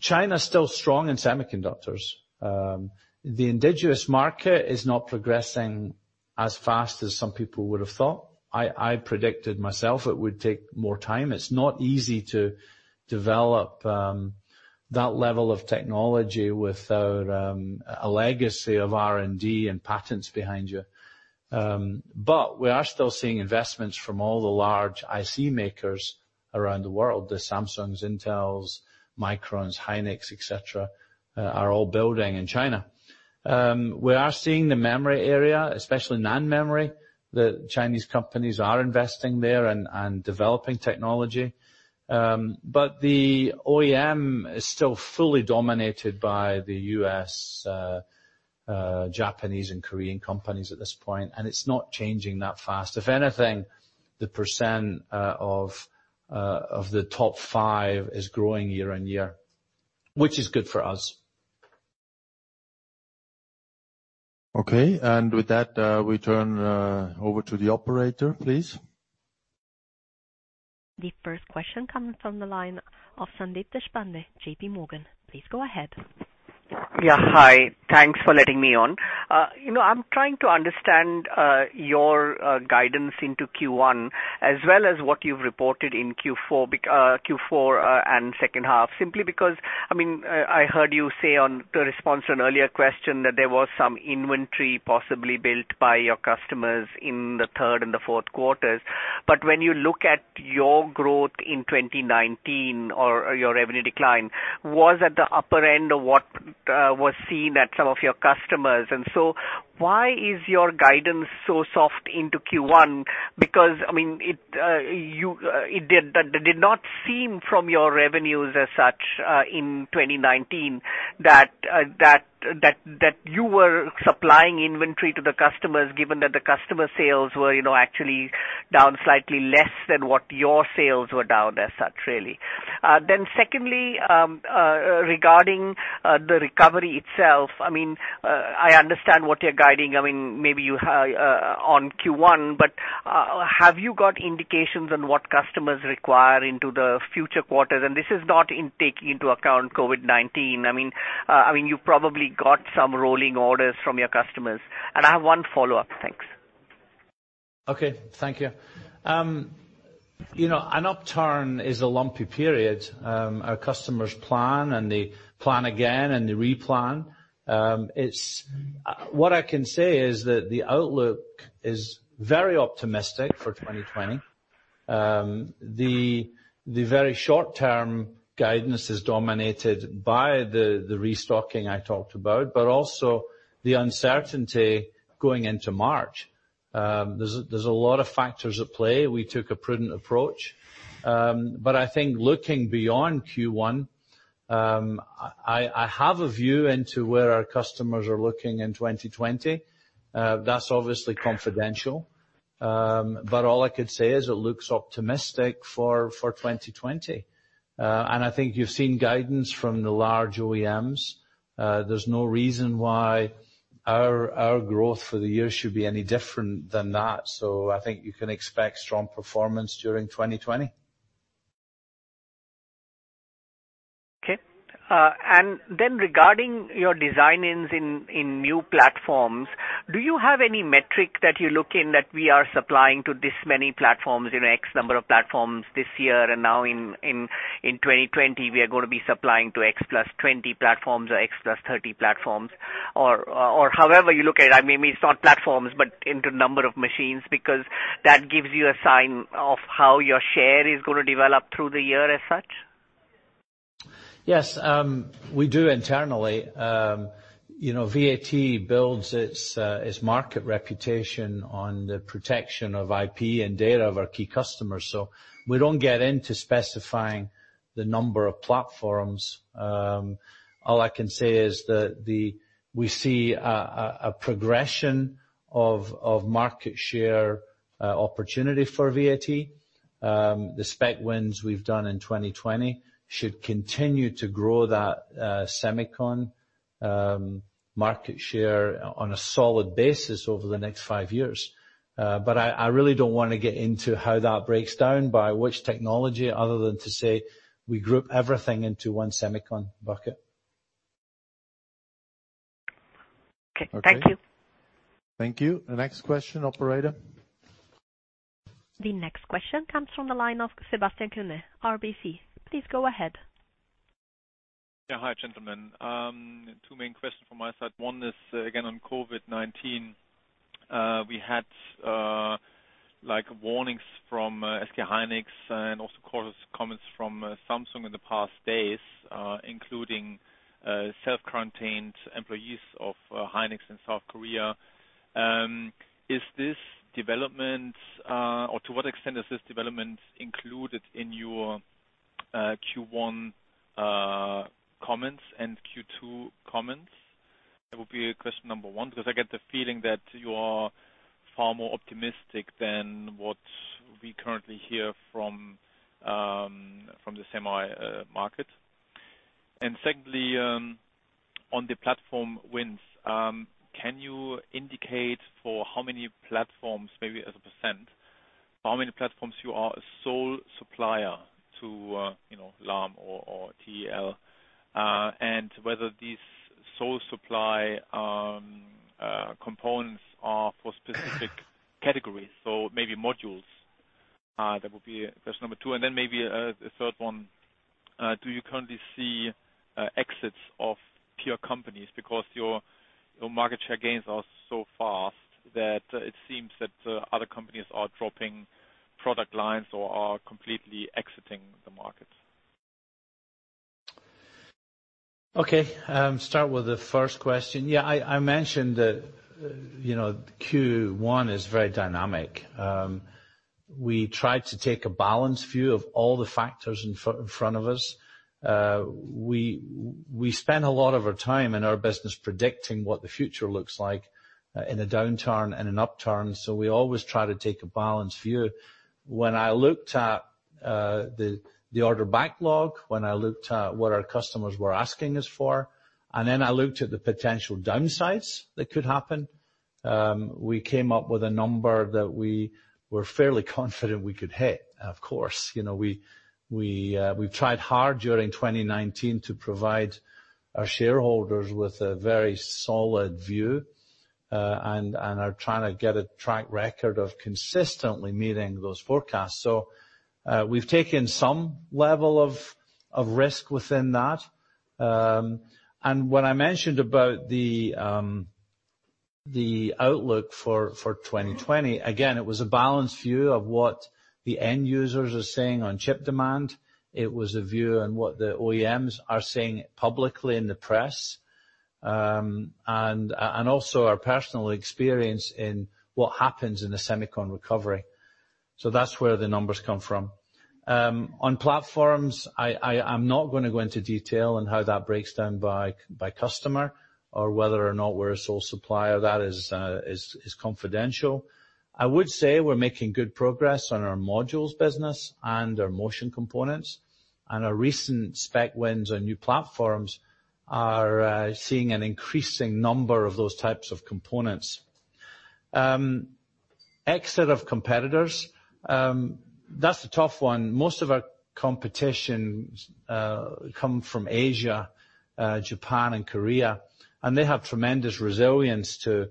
[SPEAKER 3] China's still strong in semiconductors. The indigenous market is not progressing as fast as some people would have thought. I predicted myself it would take more time. It's not easy to develop that level of technology without a legacy of R&D and patents behind you. We are still seeing investments from all the large IC makers around the world. The Samsungs, Intels, Microns, Hynix, et cetera, are all building in China. We are seeing the memory area, especially NAND memory, that Chinese companies are investing there and developing technology. The OEM is still fully dominated by the U.S., Japanese, and Korean companies at this point, and it's not changing that fast. If anything, the percent of the top five is growing year-over-year, which is good for us.
[SPEAKER 2] Okay. With that, we turn over to the operator, please.
[SPEAKER 1] The first question comes from the line of Sandeep Deshpande, JPMorgan. Please go ahead.
[SPEAKER 9] Yeah. Hi. Thanks for letting me on. I'm trying to understand your guidance into Q1 as well as what you've reported in Q4 and second half. Because, I heard you say on the response to an earlier question that there was some inventory possibly built by your customers in the third and the fourth quarters. When you look at your growth in 2019 or your revenue decline, was at the upper end of what was seen at some of your customers. Why is your guidance so soft into Q1? It did not seem from your revenues as such, in 2019 that you were supplying inventory to the customers, given that the customer sales were actually down slightly less than what your sales were down as such, really. Secondly, regarding the recovery itself, I understand what you're guiding, maybe you on Q1, but have you got indications on what customers require into the future quarters? This is not taking into account COVID-19. You probably got some rolling orders from your customers. I have one follow-up. Thanks.
[SPEAKER 3] Okay. Thank you. An upturn is a lumpy period. Our customers plan and they plan again and they re-plan. What I can say is that the outlook is very optimistic for 2020. The very short-term guidance is dominated by the restocking I talked about, but also the uncertainty going into March. There's a lot of factors at play. We took a prudent approach. I think looking beyond Q1, I have a view into where our customers are looking in 2020. That's obviously confidential. All I could say is it looks optimistic for 2020. I think you've seen guidance from the large OEMs. There's no reason why our growth for the year should be any different than that. I think you can expect strong performance during 2020.
[SPEAKER 9] Okay. Regarding your design-ins in new platforms, do you have any metric that you look in that we are supplying to this many platforms in X number of platforms this year and now in 2020, we are going to be supplying to X plus 20 platforms or X plus 30 platforms or however you look at it, maybe it's not platforms, but into number of machines because that gives you a sign of how your share is going to develop through the year as such?
[SPEAKER 3] Yes. We do internally. VAT builds its market reputation on the protection of IP and data of our key customers. We don't get into specifying the number of platforms. All I can say is that we see a progression of market share opportunity for VAT. The spec wins we've done in 2020 should continue to grow that semicon market share on a solid basis over the next five years. I really don't want to get into how that breaks down by which technology other than to say we group everything into one semicon bucket.
[SPEAKER 9] Okay. Thank you.
[SPEAKER 2] Thank you. The next question, operator.
[SPEAKER 1] The next question comes from the line of Sebastian Kuenne, RBC. Please go ahead.
[SPEAKER 10] Hi, gentlemen. Two main questions from my side. One is again on COVID-19. We had warnings from SK Hynix and also comments from Samsung in the past days, including self-quarantined employees of Hynix in South Korea. Is this development, or to what extent is this development included in your Q1 comments and Q2 comments? That would be question number one, because I get the feeling that you are far more optimistic than what we currently hear from the semi market. Secondly, on the platform wins, can you indicate for how many platforms, maybe as a percent, for how many platforms you are a sole supplier to Lam or TEL, and whether these sole supply components are for specific categories, so maybe modules? That would be question number two. Maybe a third one, do you currently see exits of peer companies because your market share gains are so fast that it seems that other companies are dropping product lines or are completely exiting the market?
[SPEAKER 3] Okay. Start with the first question. Yeah, I mentioned that Q1 is very dynamic. We tried to take a balanced view of all the factors in front of us. We spend a lot of our time in our business predicting what the future looks like in a downturn and an upturn. We always try to take a balanced view. When I looked at the order backlog, when I looked at what our customers were asking us for, and then I looked at the potential downsides that could happen, we came up with a number that we were fairly confident we could hit. Of course, we've tried hard during 2019 to provide our shareholders with a very solid view, and are trying to get a track record of consistently meeting those forecasts. We've taken some level of risk within that. When I mentioned about the outlook for 2020, again, it was a balanced view of what the end users are saying on chip demand. It was a view on what the OEMs are saying publicly in the press, and also our personal experience in what happens in the semicon recovery. That's where the numbers come from. On platforms, I'm not going to go into detail on how that breaks down by customer or whether or not we're a sole supplier. That is confidential. I would say we're making good progress on our modules business and our motion components, and our recent spec wins on new platforms are seeing an increasing number of those types of components. Exit of competitors, that's a tough one. Most of our competition come from Asia, Japan and Korea, and they have tremendous resilience to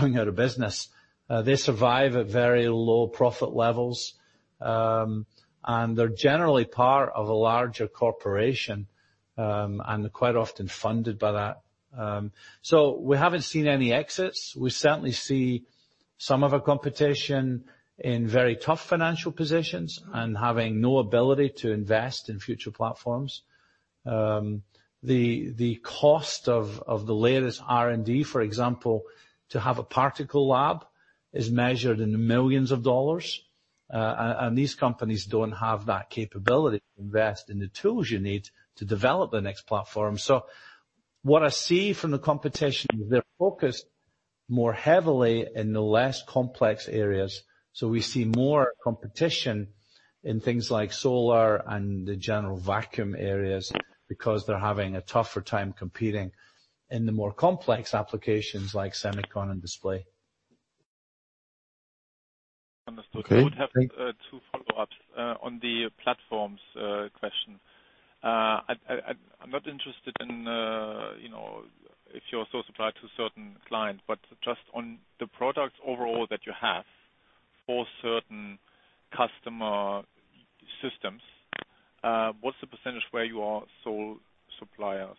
[SPEAKER 3] going out of business. They survive at very low profit levels, and they're generally part of a larger corporation, and quite often funded by that. We haven't seen any exits. We certainly see some of our competition in very tough financial positions and having no ability to invest in future platforms. The cost of the latest R&D, for example, to have a particle lab, is measured in millions of dollars, and these companies don't have that capability to invest in the tools you need to develop the next platform. What I see from the competition, they're focused more heavily in the less complex areas. We see more competition in things like solar and the general vacuum areas because they're having a tougher time competing in the more complex applications like semicon and display.
[SPEAKER 10] Understood.
[SPEAKER 3] Okay.
[SPEAKER 10] I would have two follow-ups on the platforms question. I'm not interested in if you're a sole supplier to a certain client, but just on the products overall that you have for certain customer systems, what's the percentage where you are sole suppliers?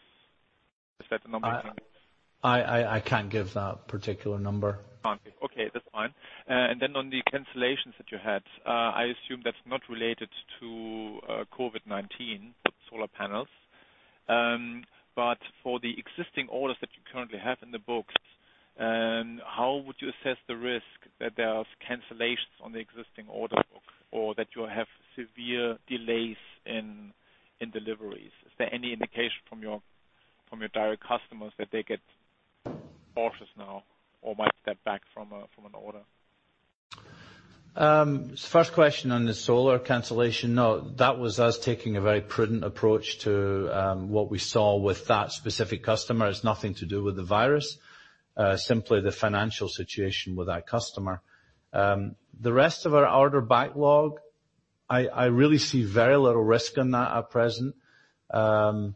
[SPEAKER 10] Is that a number you can give us?
[SPEAKER 3] I can't give that particular number.
[SPEAKER 10] Okay, that's fine. Then on the cancellations that you had, I assume that's not related to COVID-19, solar panels. For the existing orders that you currently have in the books, how would you assess the risk that there's cancellations on the existing order book or that you'll have severe delays in deliveries? Is there any indication from your direct customers that they get cautious now or might step back from an order?
[SPEAKER 3] First question on the solar cancellation. No, that was us taking a very prudent approach to what we saw with that specific customer. It's nothing to do with the virus, simply the financial situation with that customer. The rest of our order backlog, I really see very little risk in that at present. In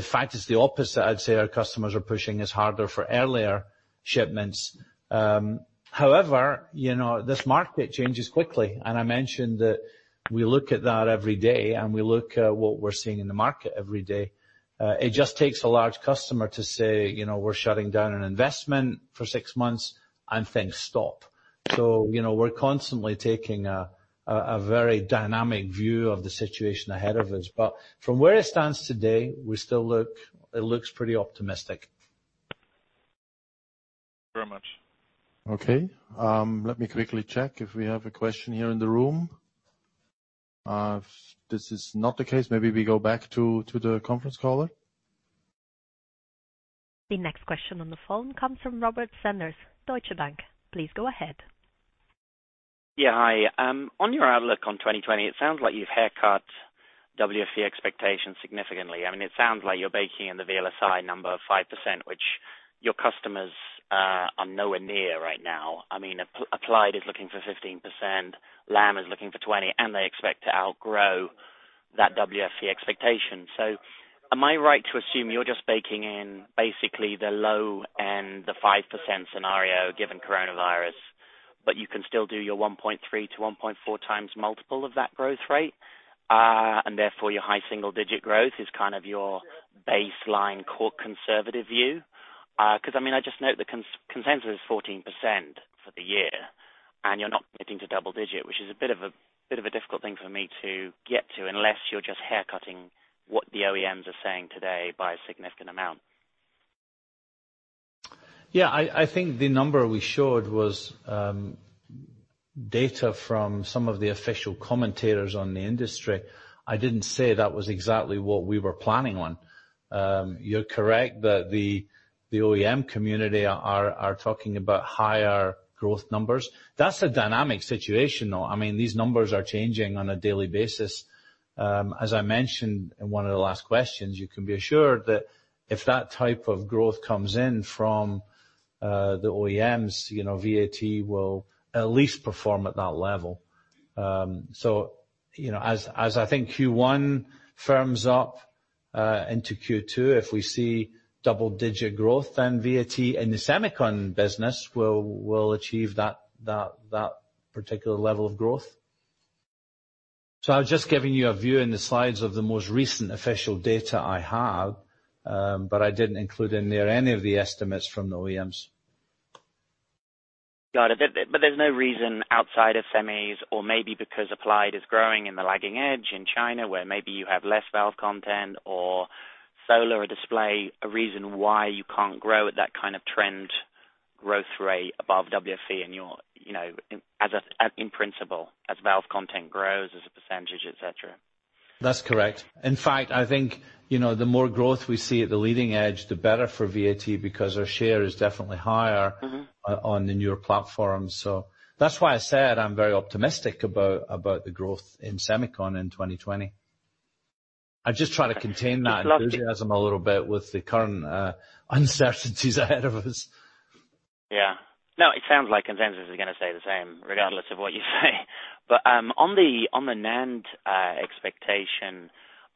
[SPEAKER 3] fact, it's the opposite. I'd say our customers are pushing us harder for earlier shipments. However, this market changes quickly, and I mentioned that we look at that every day and we look at what we're seeing in the market every day. It just takes a large customer to say, "We're shutting down an investment for six months," and things stop. We're constantly taking a very dynamic view of the situation ahead of us. From where it stands today, it looks pretty optimistic.
[SPEAKER 10] Very much.
[SPEAKER 2] Okay. Let me quickly check if we have a question here in the room. If this is not the case, maybe we go back to the conference caller.
[SPEAKER 1] The next question on the phone comes from Robert Sanders, Deutsche Bank. Please go ahead.
[SPEAKER 11] Yeah. Hi. On your outlook on 2020, it sounds like you've haircut WFE expectations significantly. It sounds like you're baking in the VLSI number of 5%, which your customers are nowhere near right now. Applied is looking for 15%, Lam is looking for 20%, and they expect to outgrow that WFE expectation. Am I right to assume you're just baking in basically the low and the 5% scenario given coronavirus, but you can still do your 1.3x-1.4x multiple of that growth rate, and therefore your high single-digit growth is kind of your baseline core conservative view? I just note the consensus is 14% for the year, and you're not getting to double digit, which is a bit of a difficult thing for me to get to, unless you're just haircutting what the OEMs are saying today by a significant amount.
[SPEAKER 3] Yeah, I think the number we showed was data from some of the official commentators on the industry. I didn't say that was exactly what we were planning on. You're correct that the OEM community are talking about higher growth numbers. That's a dynamic situation, though. These numbers are changing on a daily basis. As I mentioned in one of the last questions, you can be assured that if that type of growth comes in from the OEMs, VAT will at least perform at that level. As I think Q1 firms up into Q2, if we see double-digit growth, then VAT in the semicon business will achieve that particular level of growth. I was just giving you a view in the slides of the most recent official data I have, but I didn't include in there any of the estimates from the OEMs.
[SPEAKER 11] Got it. There's no reason outside of semis or maybe because Applied is growing in the lagging edge in China, where maybe you have less valve content or solar or display, a reason why you can't grow at that kind of trend growth rate above WFE in principle, as valve content grows as a percentage, et cetera.
[SPEAKER 3] That's correct. In fact, I think, the more growth we see at the leading edge, the better for VAT because our share is definitely higher on the newer platforms. That's why I said I'm very optimistic about the growth in semicon in 2020. I'm just trying to contain that enthusiasm a little bit with the current uncertainties ahead of us.
[SPEAKER 11] It sounds like consensus is going to stay the same regardless of what you say. On the NAND expectation,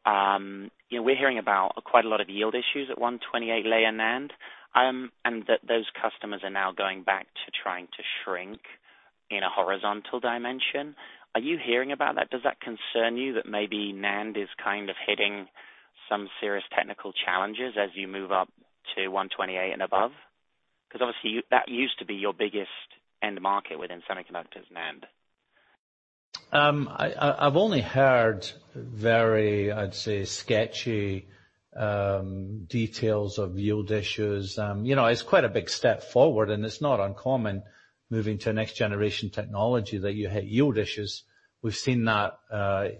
[SPEAKER 11] we're hearing about quite a lot of yield issues at 128-layer NAND, and that those customers are now going back to trying to shrink in a horizontal dimension. Are you hearing about that? Does that concern you that maybe NAND is hitting some serious technical challenges as you move up to 128 and above? Obviously, that used to be your biggest end market within semiconductors, NAND.
[SPEAKER 3] I've only heard very, I'd say, sketchy details of yield issues. It's quite a big step forward, and it's not uncommon moving to a next generation technology that you hit yield issues. We've seen that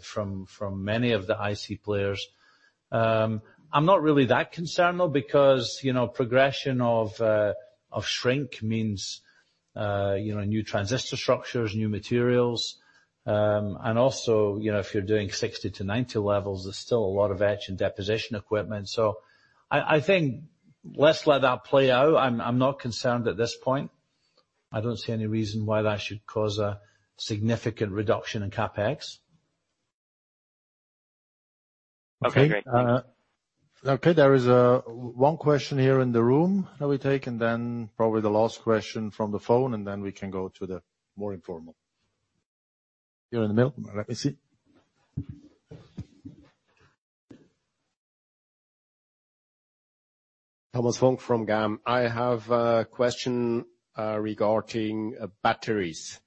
[SPEAKER 3] from many of the IC players. I'm not really that concerned though, because progression of shrink means new transistor structures, new materials, and also, if you're doing 60-90 levels, there's still a lot of etch and deposition equipment. I think let's let that play out. I'm not concerned at this point. I don't see any reason why that should cause a significant reduction in CapEx.
[SPEAKER 11] Okay, great.
[SPEAKER 2] Okay. There is one question here in the room that we take, and then probably the last question from the phone, and then we can go to the more informal. You in the middle. Let me see.
[SPEAKER 12] Thomas Funk from GAM. I have a question regarding batteries.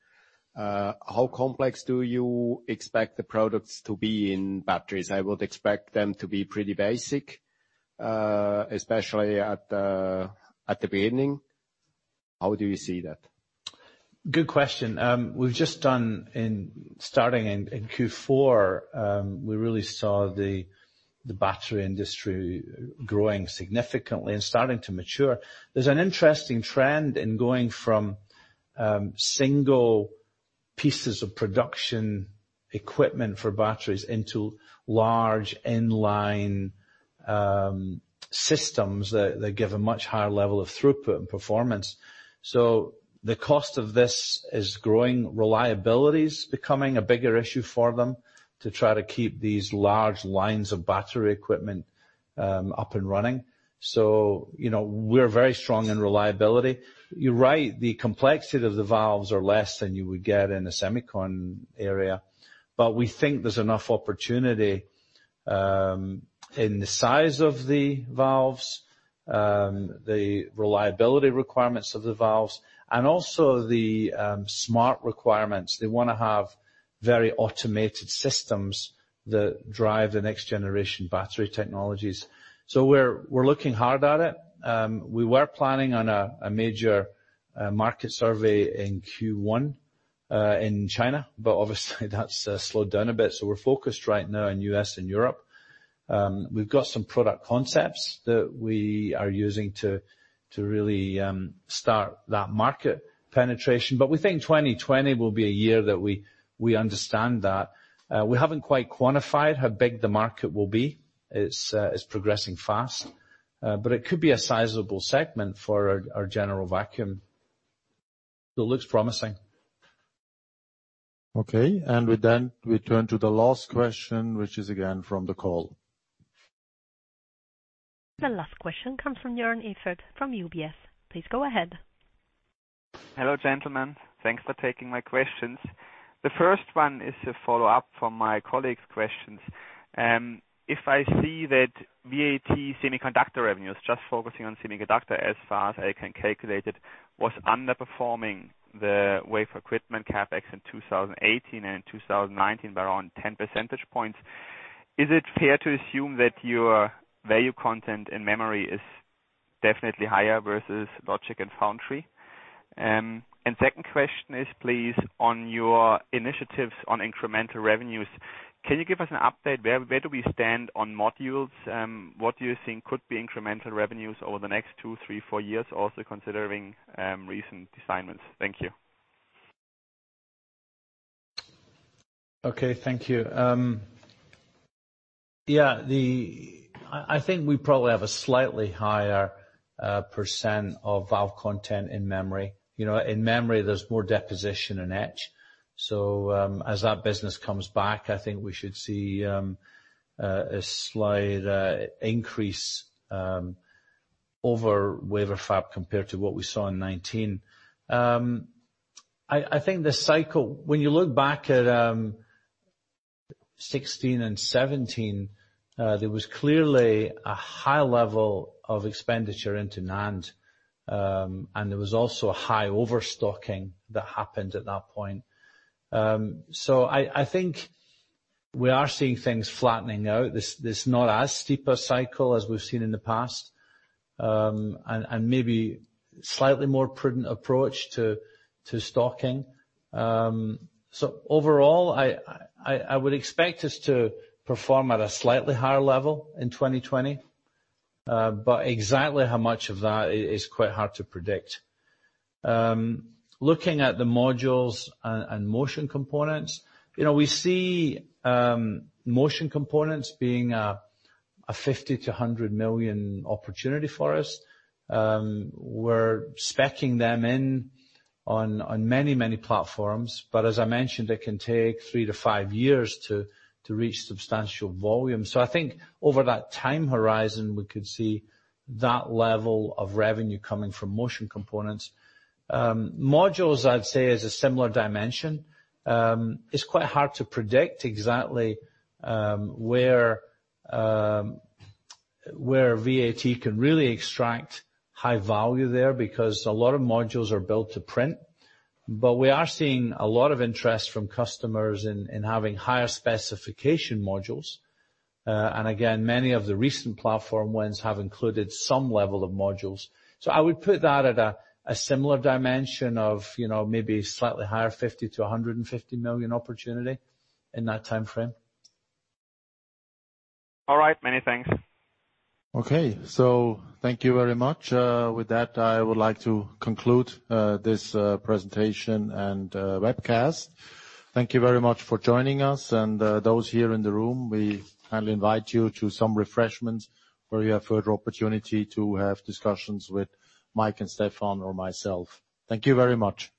[SPEAKER 12] How complex do you expect the products to be in batteries? I would expect them to be pretty basic, especially at the beginning. How do you see that?
[SPEAKER 3] Good question. We've just done in starting in Q4, we really saw the battery industry growing significantly and starting to mature. There's an interesting trend in going from single pieces of production equipment for batteries into large inline systems that give a much higher level of throughput and performance. The cost of this is growing. Reliability is becoming a bigger issue for them to try to keep these large lines of battery equipment up and running. We're very strong in reliability. You're right, the complexity of the valves are less than you would get in a semicon area, but we think there's enough opportunity in the size of the valves, the reliability requirements of the valves, and also the smart requirements. They want to have very automated systems that drive the next generation battery technologies. We're looking hard at it. We were planning on a major market survey in Q1 in China. Obviously, that's slowed down a bit. We're focused right now on U.S. and Europe. We've got some product concepts that we are using to really start that market penetration. We think 2020 will be a year that we understand that. We haven't quite quantified how big the market will be. It's progressing fast. It could be a sizable segment for our general vacuum. It looks promising.
[SPEAKER 2] Okay. With that, we turn to the last question, which is again from the call.
[SPEAKER 1] The last question comes from Joern Iffert from UBS. Please go ahead.
[SPEAKER 13] Hello, gentlemen. Thanks for taking my questions. The first one is a follow-up from my colleague's questions. If I see that VAT semiconductor revenues, just focusing on semiconductor, as far as I can calculate it, was underperforming the wafer equipment CapEx in 2018 and 2019 by around 10 percentage points, is it fair to assume that your value content in memory is definitely higher versus logic and foundry? Second question is please on your initiatives on incremental revenues. Can you give us an update? Where do we stand on modules? What do you think could be incremental revenues over the next two, three, four years, also considering recent assignments? Thank you.
[SPEAKER 3] Okay. Thank you. I think we probably have a slightly higher percent of valve content in memory. In memory, there's more deposition than etch. As that business comes back, I think we should see a slight increase over wafer fab compared to what we saw in 2019. I think the cycle, when you look back at 2016 and 2017, there was clearly a high level of expenditure into NAND. There was also a high overstocking that happened at that point. I think we are seeing things flattening out. There's not as steep a cycle as we've seen in the past, and maybe slightly more prudent approach to stocking. Overall, I would expect us to perform at a slightly higher level in 2020. Exactly how much of that is quite hard to predict. Looking at the modules and motion components, we see motion components being a 50 million-100 million opportunity for us. We're speccing them in on many platforms. As I mentioned, it can take three to five years to reach substantial volume. I think over that time horizon, we could see that level of revenue coming from motion components. Modules, I'd say, is a similar dimension. It's quite hard to predict exactly where VAT can really extract high value there, because a lot of modules are built to print. We are seeing a lot of interest from customers in having higher specification modules. Again, many of the recent platform wins have included some level of modules. I would put that at a similar dimension of maybe slightly higher, 50 million-150 million opportunity in that timeframe.
[SPEAKER 13] All right. Many thanks.
[SPEAKER 2] Okay. Thank you very much. With that, I would like to conclude this presentation and webcast. Thank you very much for joining us, and those here in the room, we kindly invite you to some refreshments where you have further opportunity to have discussions with Mike and Stephan or myself. Thank you very much.